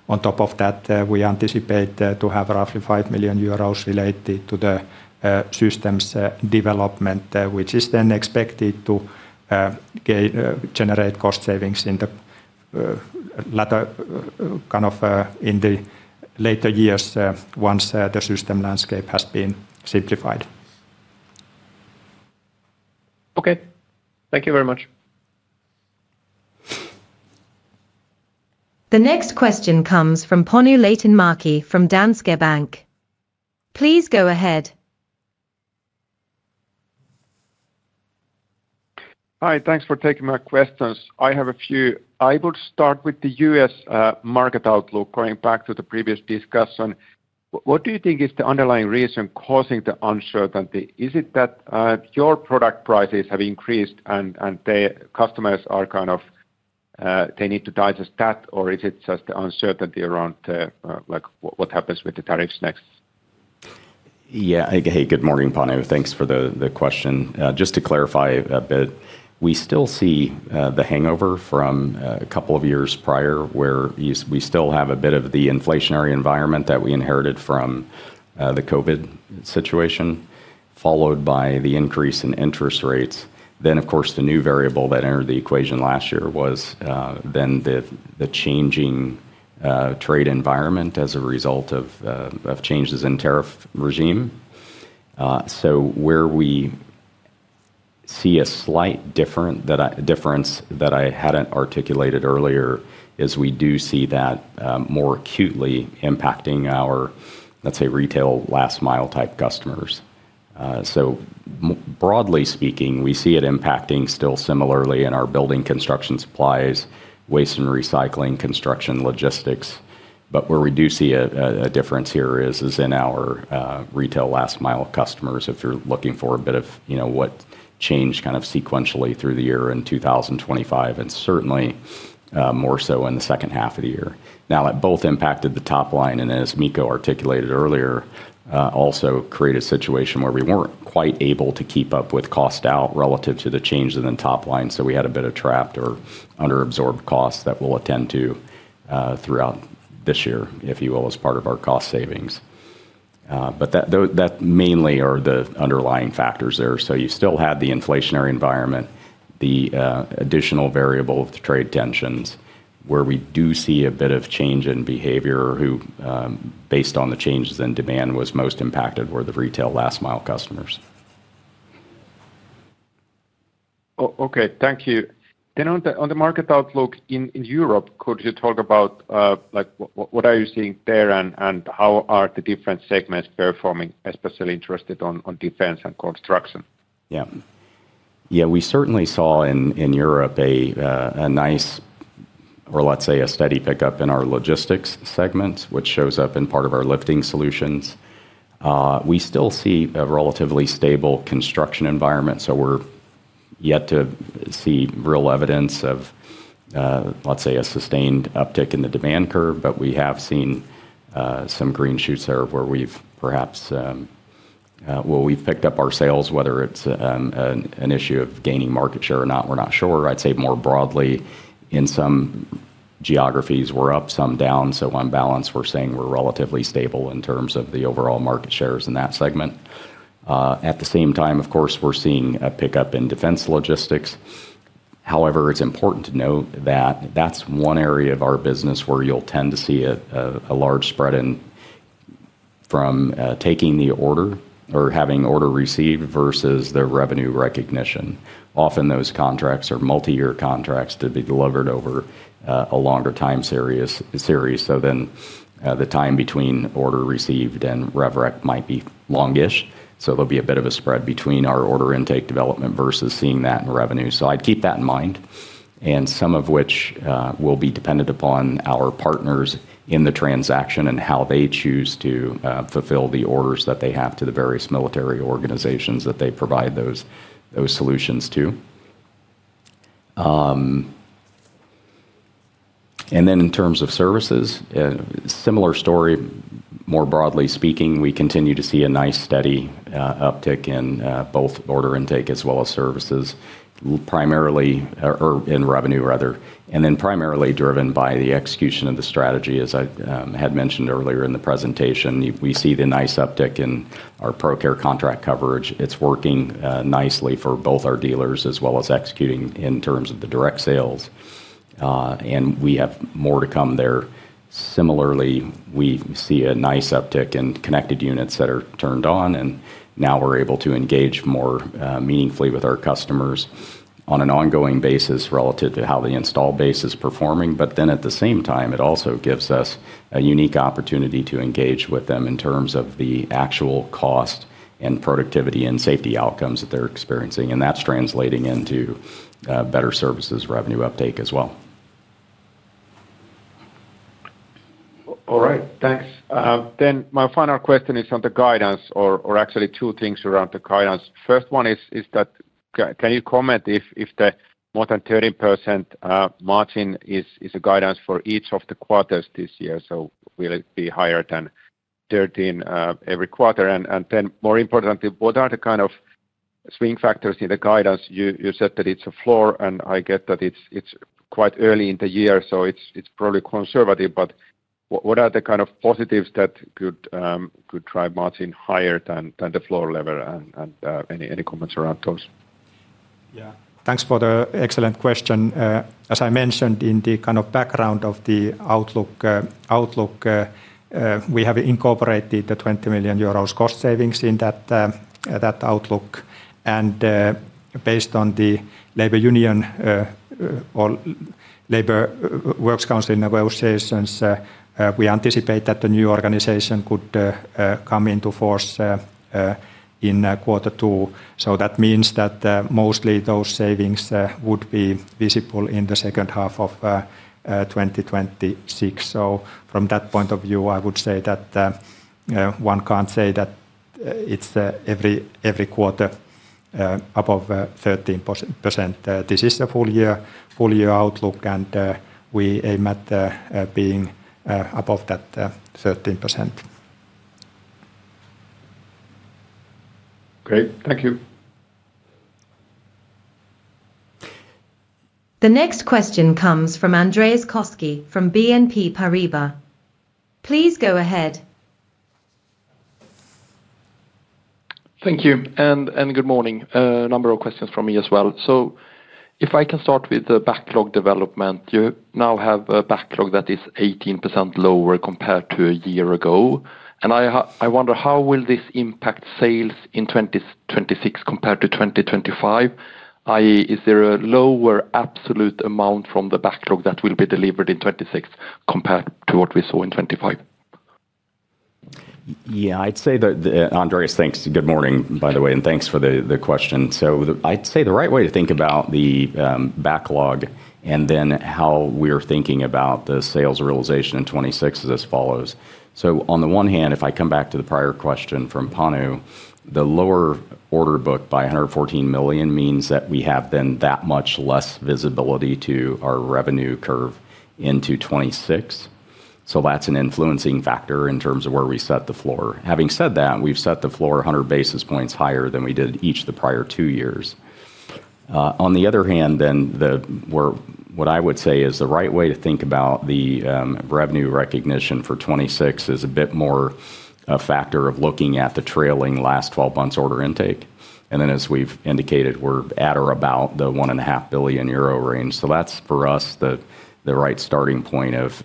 on top of that we anticipate to have roughly 5 million euros related to the systems development, which is then expected to generate cost savings in the latter kind of in the later years once the system landscape has been simplified. Okay. Thank you very much. The next question comes from Panu Laitinmäki from Danske Bank. Please go ahead. Hi, thanks for taking my questions. I have a few. I would start with the U.S. market outlook, going back to the previous discussion. What do you think is the underlying reason causing the uncertainty? Is it that your product prices have increased and the customers are kind of they need to digest that, or is it just the uncertainty around like what happens with the tariffs next? Yeah. Hey, good morning, Panu. Thanks for the question. Just to clarify a bit, we still see the hangover from a couple of years prior, where we still have a bit of the inflationary environment that we inherited from the COVID situation, followed by the increase in interest rates. Then, of course, the new variable that entered the equation last year was then the changing trade environment as a result of changes in tariff regime. So where we see a slight difference that I hadn't articulated earlier, is we do see that more acutely impacting our, let's say, retail last mile type customers. So broadly speaking, we see it impacting still similarly in our building construction supplies, waste and recycling, construction, logistics. But where we do see a difference here is in our retail last mile customers, if you're looking for a bit of, you know, what changed kind of sequentially through the year in 2025, and certainly more so in the second half of the year. Now, it both impacted the top line, and as Mikko articulated earlier, also create a situation where we weren't quite able to keep up with cost out relative to the changes in the top line. So we had a bit of trapped or underabsorbed costs that we'll attend to throughout this year, if you will, as part of our cost savings. But that, though, that mainly are the underlying factors there. You still had the inflationary environment, the additional variable of the trade tensions, where we do see a bit of change in behavior, who, based on the changes in demand, was most impacted were the retail last mile customers. Okay, thank you. Then on the market outlook in Europe, could you talk about, like, what are you seeing there and how are the different segments performing, especially interested in defense and construction? Yeah. Yeah, we certainly saw in Europe a nice, or let's say, a steady pickup in our logistics segments, which shows up in part of our Lifting Solutions. We still see a relatively stable construction environment, so we're yet to see real evidence of, let's say, a sustained uptick in the demand curve. But we have seen some green shoots there where we've perhaps... Well, we've picked up our sales, whether it's an issue of gaining market share or not, we're not sure. I'd say more broadly, in some geographies, we're up, some down. So on balance, we're saying we're relatively stable in terms of the overall market shares in that segment. At the same time, of course, we're seeing a pickup in defense logistics. However, it's important to note that that's one area of our business where you'll tend to see a large spread from taking the order or having order received versus the revenue recognition. Often, those contracts are multi-year contracts to be delivered over a longer time series, so then the time between order received and rev rec might be longish. So there'll be a bit of a spread between our order intake development versus seeing that in revenue. So I'd keep that in mind, and some of which will be dependent upon our partners in the transaction and how they choose to fulfill the orders that they have to the various military organizations that they provide those solutions to. And then in terms of services, similar story, more broadly speaking, we continue to see a nice, steady uptick in both order intake as well as services, primarily in revenue rather. And then primarily driven by the execution of the strategy. As I had mentioned earlier in the presentation, we see the nice uptick in our ProCare contract coverage. It's working nicely for both our dealers, as well as executing in terms of the direct sales, and we have more to come there. Similarly, we see a nice uptick in connected units that are turned on, and now we're able to engage more meaningfully with our customers on an ongoing basis relative to how the install base is performing. But then at the same time, it also gives us a unique opportunity to engage with them in terms of the actual cost and productivity and safety outcomes that they're experiencing, and that's translating into better services revenue uptake as well. ... All right, thanks. Then my final question is on the guidance, or actually two things around the guidance. First one is, can you comment if the more than 13% margin is a guidance for each of the quarters this year? So will it be higher than 13% every quarter? And then more importantly, what are the kind of swing factors in the guidance? You said that it's a floor, and I get that it's quite early in the year, so it's probably conservative, but what are the kind of positives that could drive margin higher than the floor level? And any comments around those? Yeah. Thanks for the excellent question. As I mentioned in the kind of background of the outlook, we have incorporated the 20 million euros cost savings in that outlook. Based on the labor union or labor works council negotiations, we anticipate that the new organization could come into force in quarter two. So that means that, mostly those savings would be visible in the second half of 2026. So from that point of view, I would say that one can't say that it's every quarter above 13%. This is a full year outlook, and we aim at being above that 13%. Great. Thank you. The next question comes from Andreas Koski from BNP Paribas. Please go ahead. Thank you, and good morning. A number of questions from me as well. So if I can start with the backlog development. You now have a backlog that is 18% lower compared to a year ago, and I wonder, how will this impact sales in 2026 compared to 2025? i.e., is there a lower absolute amount from the backlog that will be delivered in 2026 compared to what we saw in 2025? Yeah, I'd say that the... Andreas, thanks. Good morning, by the way, and thanks for the question. So, I'd say the right way to think about the backlog and then how we're thinking about the sales realization in 2026 is as follows: So on the one hand, if I come back to the prior question from Panu, the lower order book by 114 million means that we have then that much less visibility to our revenue curve into 2026. So that's an influencing factor in terms of where we set the floor. Having said that, we've set the floor 100 basis points higher than we did each of the prior two years. On the other hand, what I would say is the right way to think about the revenue recognition for 2026 is a bit more a factor of looking at the trailing last twelve months order intake. And then, as we've indicated, we're at or about the 1.5 billion euro range. So that's, for us, the right starting point of,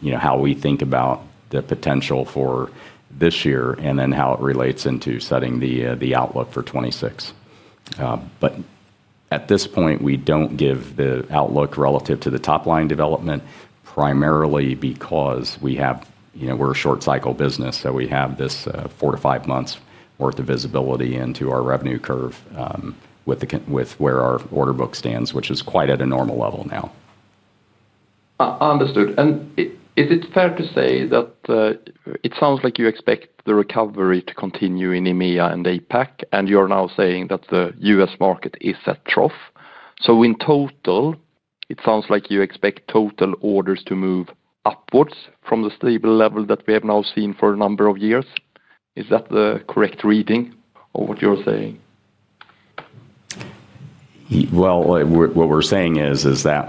you know, how we think about the potential for this year and then how it relates into setting the outlook for 2026. But at this point, we don't give the outlook relative to the top-line development, primarily because we have... You know, we're a short cycle business, so we have this four-five months worth of visibility into our revenue curve, with where our order book stands, which is quite at a normal level now. Understood. Is it fair to say that it sounds like you expect the recovery to continue in EMEA and APAC, and you're now saying that the U.S. market is at trough? In total, it sounds like you expect total orders to move upwards from the stable level that we have now seen for a number of years. Is that the correct reading of what you're saying? Well, what we're saying is that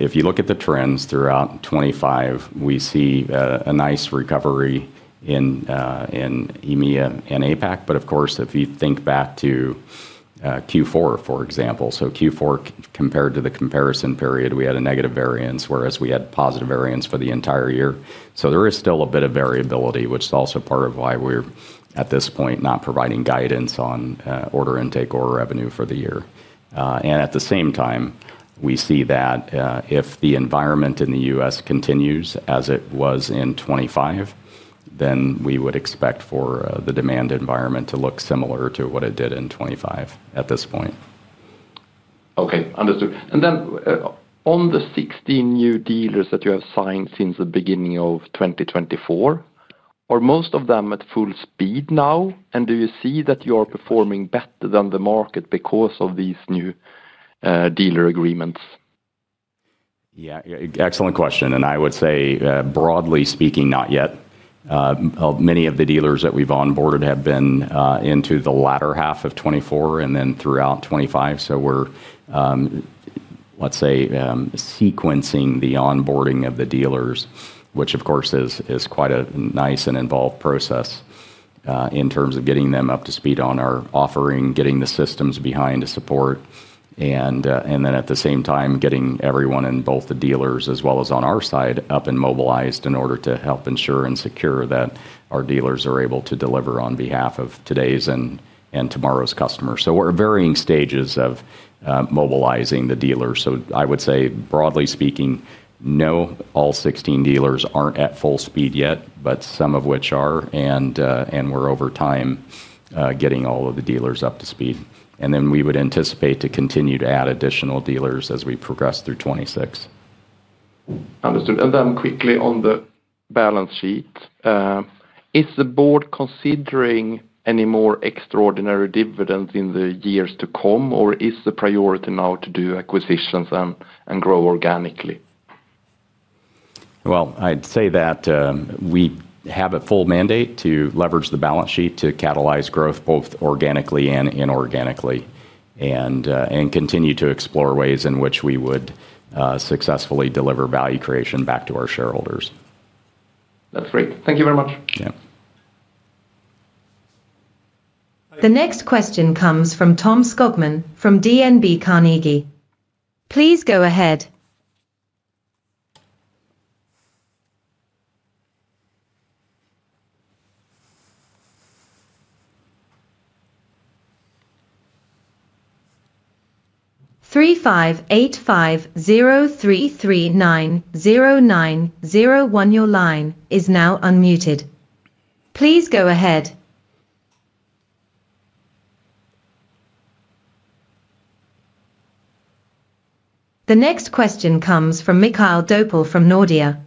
if you look at the trends throughout 2025, we see a nice recovery in EMEA and APAC. But of course, if you think back to Q4, for example, so Q4 compared to the comparison period, we had a negative variance, whereas we had positive variance for the entire year. So there is still a bit of variability, which is also part of why we're, at this point, not providing guidance on order intake or revenue for the year. And at the same time, we see that if the environment in the U.S. continues as it was in 2025, then we would expect for the demand environment to look similar to what it did in 2025 at this point. Okay, understood. Then, on the 16 new dealers that you have signed since the beginning of 2024, are most of them at full speed now? And do you see that you're performing better than the market because of these new dealer agreements? Yeah, yeah, excellent question, and I would say, broadly speaking, not yet. Many of the dealers that we've onboarded have been into the latter half of 2024 and then throughout 2025. So we're, let's say, sequencing the onboarding of the dealers, which of course is quite a nice and involved process in terms of getting them up to speed on our offering, getting the systems behind to support, and then at the same time, getting everyone and both the dealers, as well as on our side, up and mobilized in order to help ensure and secure that our dealers are able to deliver on behalf of today's and tomorrow's customers. So we're at varying stages of mobilizing the dealers. So I would say, broadly speaking, no, all 16 dealers aren't at full speed yet, but some of which are, and, and we're over time, getting all of the dealers up to speed. And then we would anticipate to continue to add additional dealers as we progress through 2026. ...Understood. And then quickly on the balance sheet, is the board considering any more extraordinary dividend in the years to come, or is the priority now to do acquisitions and grow organically? Well, I'd say that we have a full mandate to leverage the balance sheet to catalyze growth, both organically and inorganically, and continue to explore ways in which we would successfully deliver value creation back to our shareholders. That's great. Thank you very much. Yeah. The next question comes from Tom Skogman from Carnegie Investment Bank. Please go ahead. 3, 5, 8, 5, 0, 3, 3, 9, 0, 9, 0, 1. Your line is now unmuted. Please go ahead. The next question comes from Mikael Doepel from Nordea.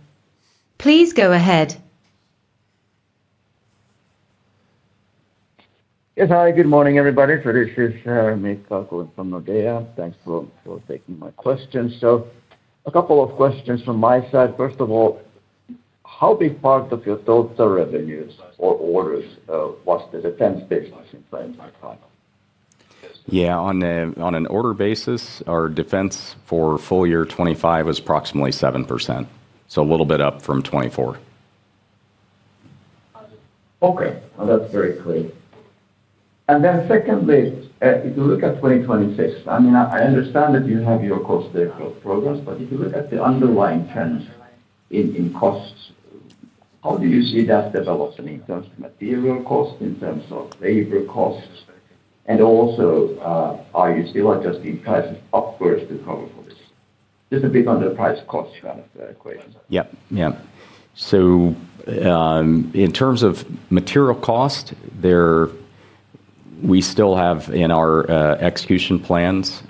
Please go ahead. Yes. Hi, good morning, everybody. So this is, Mikael from Nordea. Thanks for, for taking my questions. So a couple of questions from my side. First of all, how big part of your total revenues or orders was the defense business [Inuadible]. Yeah, on an order basis, our defense for full year 2025 was approximately 7%, so a little bit up from 2024. Okay, now that's very clear. And then secondly, if you look at 2026, I mean, I understand that you have your cost growth programs, but if you look at the underlying trends in costs, how do you see that developing in terms of material cost, in terms of labor costs? And also, are you still adjusting prices upwards to cover for this? Just a bit on the price cost kind of equation. Yeah. Yeah. So, in terms of material cost, we still have in our execution plans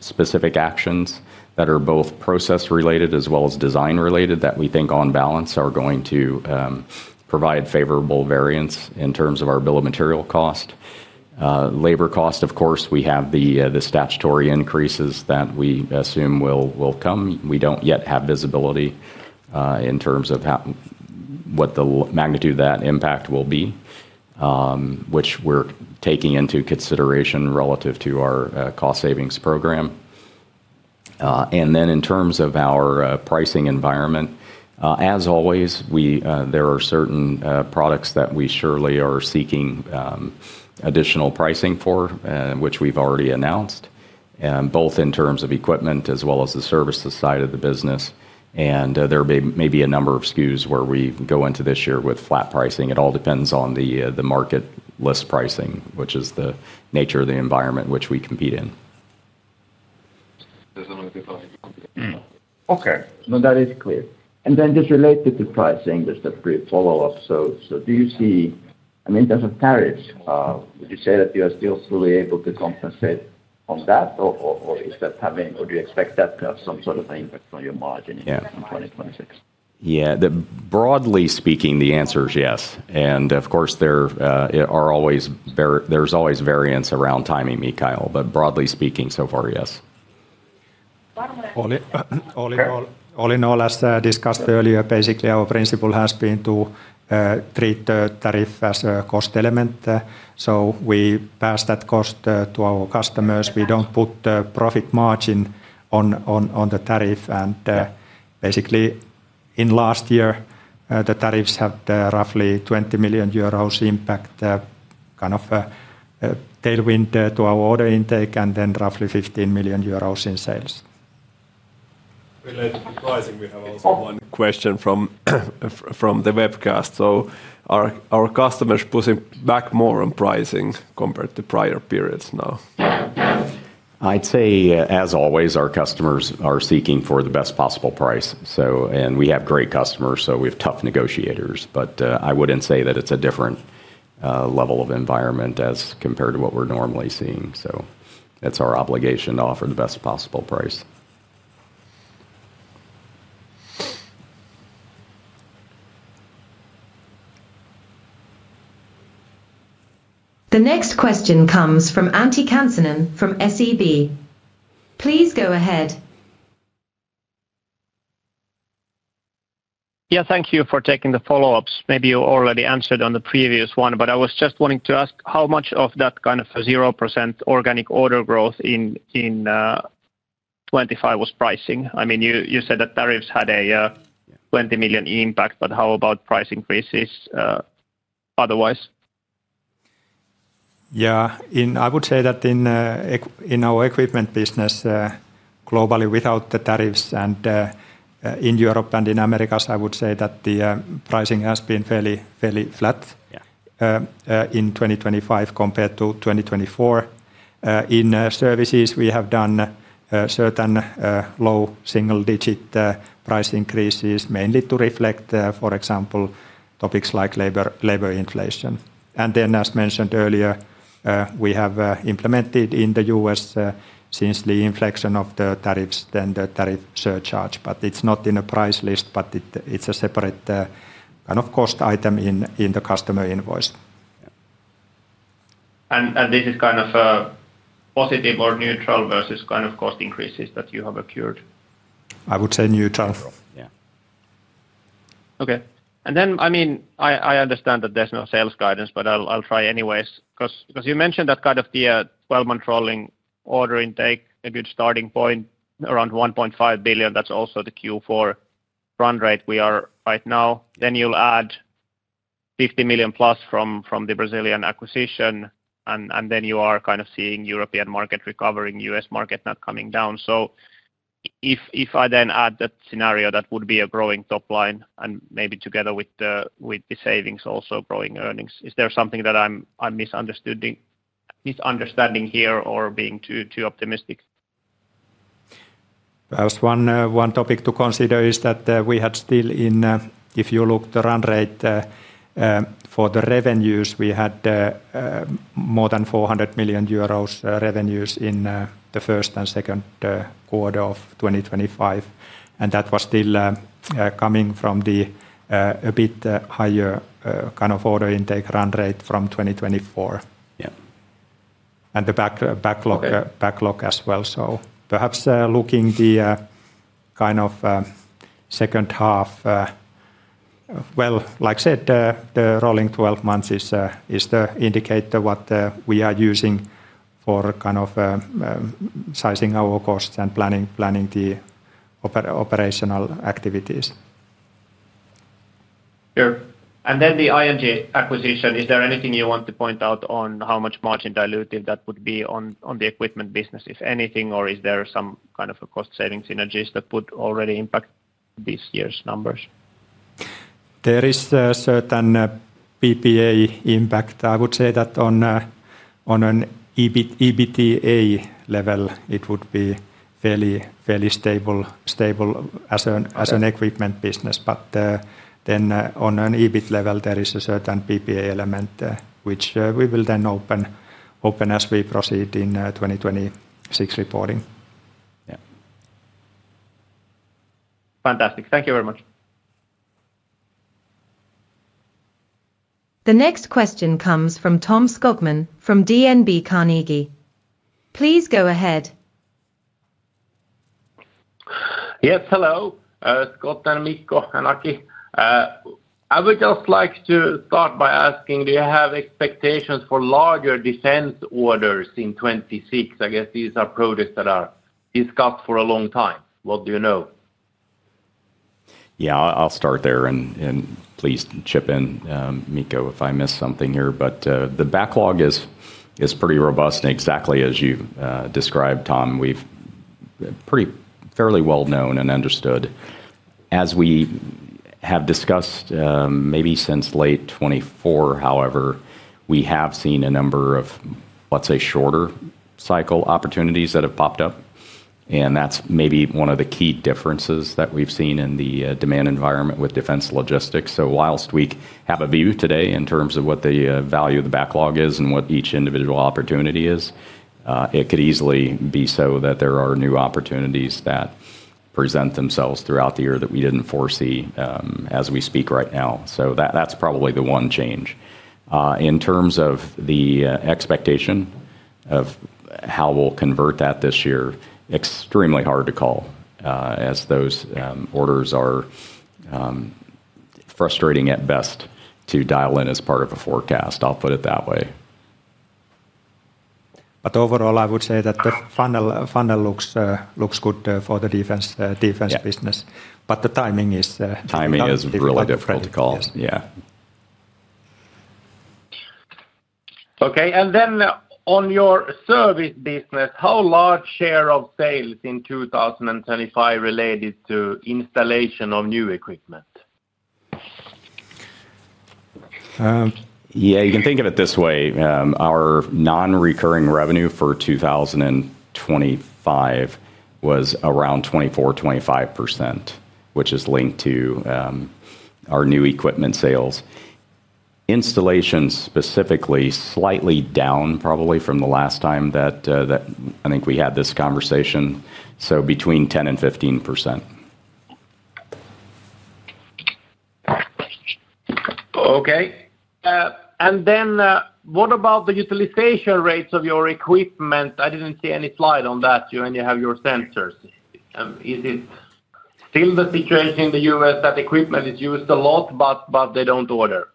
specific actions that are both process-related as well as design-related, that we think on balance are going to provide favorable variance in terms of our bill of material cost. Labor cost, of course, we have the statutory increases that we assume will come. We don't yet have visibility in terms of what the magnitude of that impact will be, which we're taking into consideration relative to our cost savings program. And then in terms of our pricing environment, as always, there are certain products that we surely are seeking additional pricing for, which we've already announced both in terms of equipment as well as the services side of the business. There may be a number of SKUs where we go into this year with flat pricing. It all depends on the market list pricing, which is the nature of the environment which we compete in. There's another follow-up. Okay, no, that is clear. And then just related to pricing, there's a brief follow-up. So, do you see... I mean, in terms of tariffs, would you say that you are still fully able to compensate on that or would you expect that to have some sort of an impact on your margin- Yeah - in 2026? Yeah. Broadly speaking, the answer is yes. And of course, there are always variance around timing, Mikael, but broadly speaking, so far, yes. All in all, as discussed earlier, basically, our principle has been to treat the tariff as a cost element, so we pass that cost to our customers. We don't put the profit margin on the tariff. And basically, in last year, the tariffs had roughly 20 million euros impact, kind of a tailwind to our order intake, and then roughly 15 million euros in sales. Related to pricing, we have also one question from the webcast. So are our customers pushing back more on pricing compared to prior periods now? I'd say, as always, our customers are seeking for the best possible price. And we have great customers, so we have tough negotiators, but, I wouldn't say that it's a different level of environment as compared to what we're normally seeing. So it's our obligation to offer the best possible price. The next question comes from Antti Kansanen from SEB. Please go ahead. Yeah, thank you for taking the follow-ups. Maybe you already answered on the previous one, but I was just wanting to ask how much of that kind of a 0% organic order growth in 2025 was pricing? I mean, you said that tariffs had a 20 million impact, but how about price increases otherwise? Yeah, I would say that in our equipment business globally, without the tariffs and in Europe and in Americas, I would say that the pricing has been fairly, fairly flat- Yeah... in 2025 compared to 2024. In services, we have done certain low single-digit price increases, mainly to reflect, for example, topics like labor, labor inflation. And then, as mentioned earlier... We have implemented in the U.S., since the inflection of the tariffs, then the tariff surcharge. But it's not in a price list, but it, it's a separate kind of cost item in the customer invoice. And this is kind of a positive or neutral versus kind of cost increases that you have occurred? I would say neutral. Yeah. Okay. And then, I mean, I understand that there's no sales guidance, but I'll try anyways. 'Cause you mentioned that kind of the twelve-month rolling order intake, a good starting point, around 1.5 billion. That's also the Q4 run rate we are right now. Then you'll add 50+ million from the Brazilian acquisition, and then you are kind of seeing European market recovering, U.S. market not coming down. So if I then add that scenario, that would be a growing top line and maybe together with the savings, also growing earnings. Is there something that I'm misunderstanding here or being too optimistic? Perhaps one topic to consider is that. If you look the run rate for the revenues, we had more than 400 million euros revenues in the first and second quarter of 2025, and that was still coming from the a bit higher kind of order intake run rate from 2024. Yeah. And the backlog- Okay... backlog as well. So perhaps looking the kind of second half, well, like I said, the rolling twelve months is the indicator what we are using for kind of sizing our costs and planning the operational activities. Sure. And then the ING acquisition, is there anything you want to point out on how much margin dilutive that would be on, on the equipment business, if anything? Or is there some kind of a cost-saving synergies that would already impact this year's numbers? There is a certain PPA impact. I would say that on an EBIT, EBITDA level, it would be fairly stable as an- Okay... as an equipment business. But then, on an EBIT level, there is a certain PPA element, which we will then open as we proceed in 2026 reporting. Yeah. Fantastic. Thank you very much. The next question comes from Tom Skogman from Carnegie Investment Bank. Please go ahead. Yes, hello, Scott and Mikko and Aki. I would just like to start by asking, do you have expectations for larger defense orders in 2026? I guess these are projects that are discussed for a long time. What do you know? Yeah, I'll start there and please chip in, Mikko, if I miss something here. But the backlog is pretty robust and exactly as you've described, Tom, we've pretty fairly well known and understood. As we have discussed, maybe since late 2024, however, we have seen a number of, let's say, shorter cycle opportunities that have popped up, and that's maybe one of the key differences that we've seen in the demand environment with defense logistics. So while we have a view today in terms of what the value of the backlog is and what each individual opportunity is, it could easily be so that there are new opportunities that present themselves throughout the year that we didn't foresee, as we speak right now. So that's probably the one change. In terms of the expectation of how we'll convert that this year, extremely hard to call, as those orders are frustrating at best to dial in as part of a forecast. I'll put it that way. But overall, I would say that the funnel looks good for the defense. Yeah... business, but the timing is- Timing is really difficult to call. Yes. Yeah. Okay, and then on your service business, how large share of sales in 2025 related to installation of new equipment? Yeah, you can think of it this way. Our non-recurring revenue for 2025 was around 24%-25%, which is linked to our new equipment sales. Installation, specifically, slightly down probably from the last time that I think we had this conversation, so between 10% and 15%. Okay. And then, what about the utilization rates of your equipment? I didn't see any slide on that when you have your sensors. Is it still the situation in the U.S. that equipment is used a lot, but they don't order?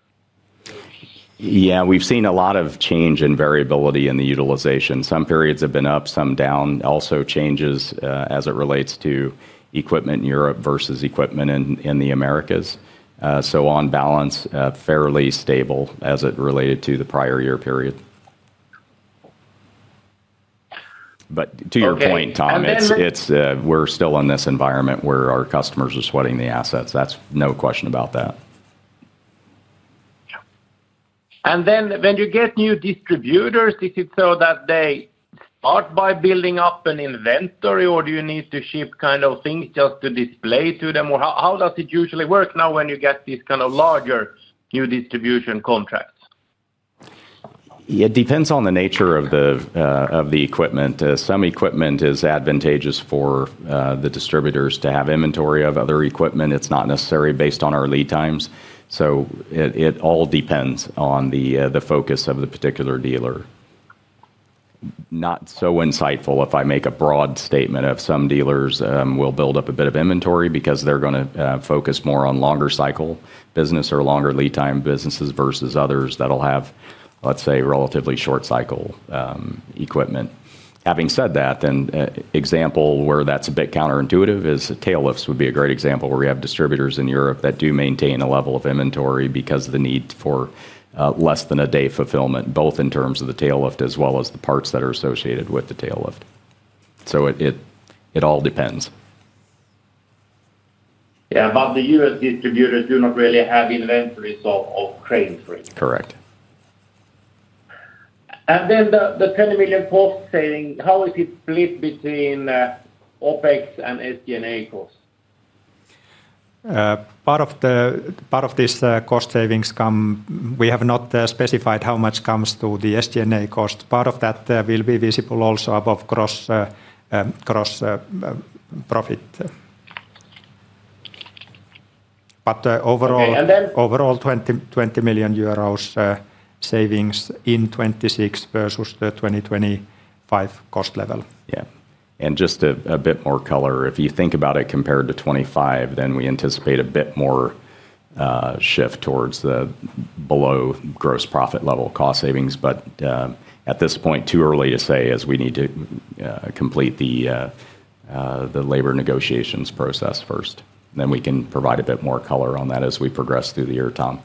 Yeah, we've seen a lot of change and variability in the utilization. Some periods have been up, some down. Also changes, as it relates to equipment in Europe versus equipment in, in the Americas. So on balance, fairly stable as it related to the prior year period. But to your point- Okay, and then-... Tom, it's, we're still in this environment where our customers are sweating the assets. That's no question about that. Then when you get new distributors, is it so that they start by building up an inventory, or do you need to ship kind of things just to display to them? Or how, how does it usually work now when you get these kind of larger new distribution contracts? It depends on the nature of the equipment. Some equipment is advantageous for the distributors to have inventory. Of other equipment, it's not necessary based on our lead times. So it all depends on the focus of the particular dealer. Not so insightful if I make a broad statement, if some dealers will build up a bit of inventory because they're gonna focus more on longer cycle business or longer lead time businesses versus others that'll have, let's say, relatively short cycle equipment. Having said that, then, example where that's a bit counterintuitive is tail lifts would be a great example, where we have distributors in Europe that do maintain a level of inventory because of the need for, less than a day fulfillment, both in terms of the tail lift as well as the parts that are associated with the tail lift. So it, it, it all depends. Yeah, but the U.S. distributors do not really have inventories of crane, right? Correct. And then the 10 million cost saving, how is it split between OpEx and SG&A costs? Part of this cost savings come... We have not specified how much comes through the SG&A cost. Part of that will be visible also above gross profit. But overall- Okay, and then? Overall, 20 million euros savings in 2026 versus the 2025 cost level. Yeah, and just a bit more color. If you think about it compared to 2025, then we anticipate a bit more shift towards the below gross profit level cost savings. But at this point, too early to say as we need to complete the labor negotiations process first, then we can provide a bit more color on that as we progress through the year, Tom.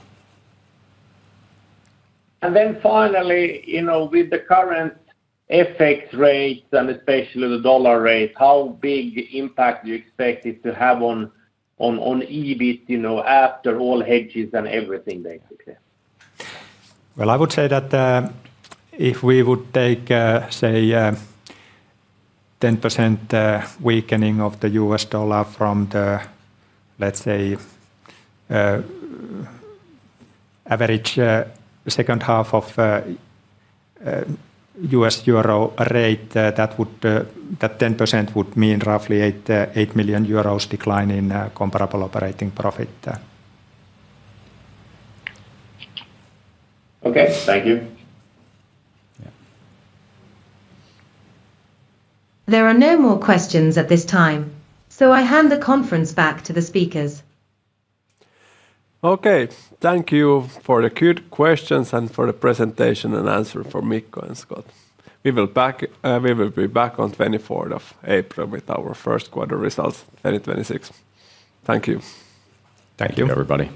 And then finally, you know, with the current exchange rates, and especially the dollar rate, how big impact do you expect it to have on EBIT, you know, after all hedges and everything, basically? Well, I would say that if we would take, say, 10% weakening of the U.S. dollar from the, let's say, average second half of U.S.-euro rate, that would, that 10% would mean roughly 8 million euros decline in comparable operating profit. Okay. Thank you. Yeah. There are no more questions at this time, so I hand the conference back to the speakers. Okay. Thank you for the good questions and for the presentation and answer from Mikko and Scott. We will be back on twenty-fourth of April with our first quarter results, 2026. Thank you. Thank you, everybody.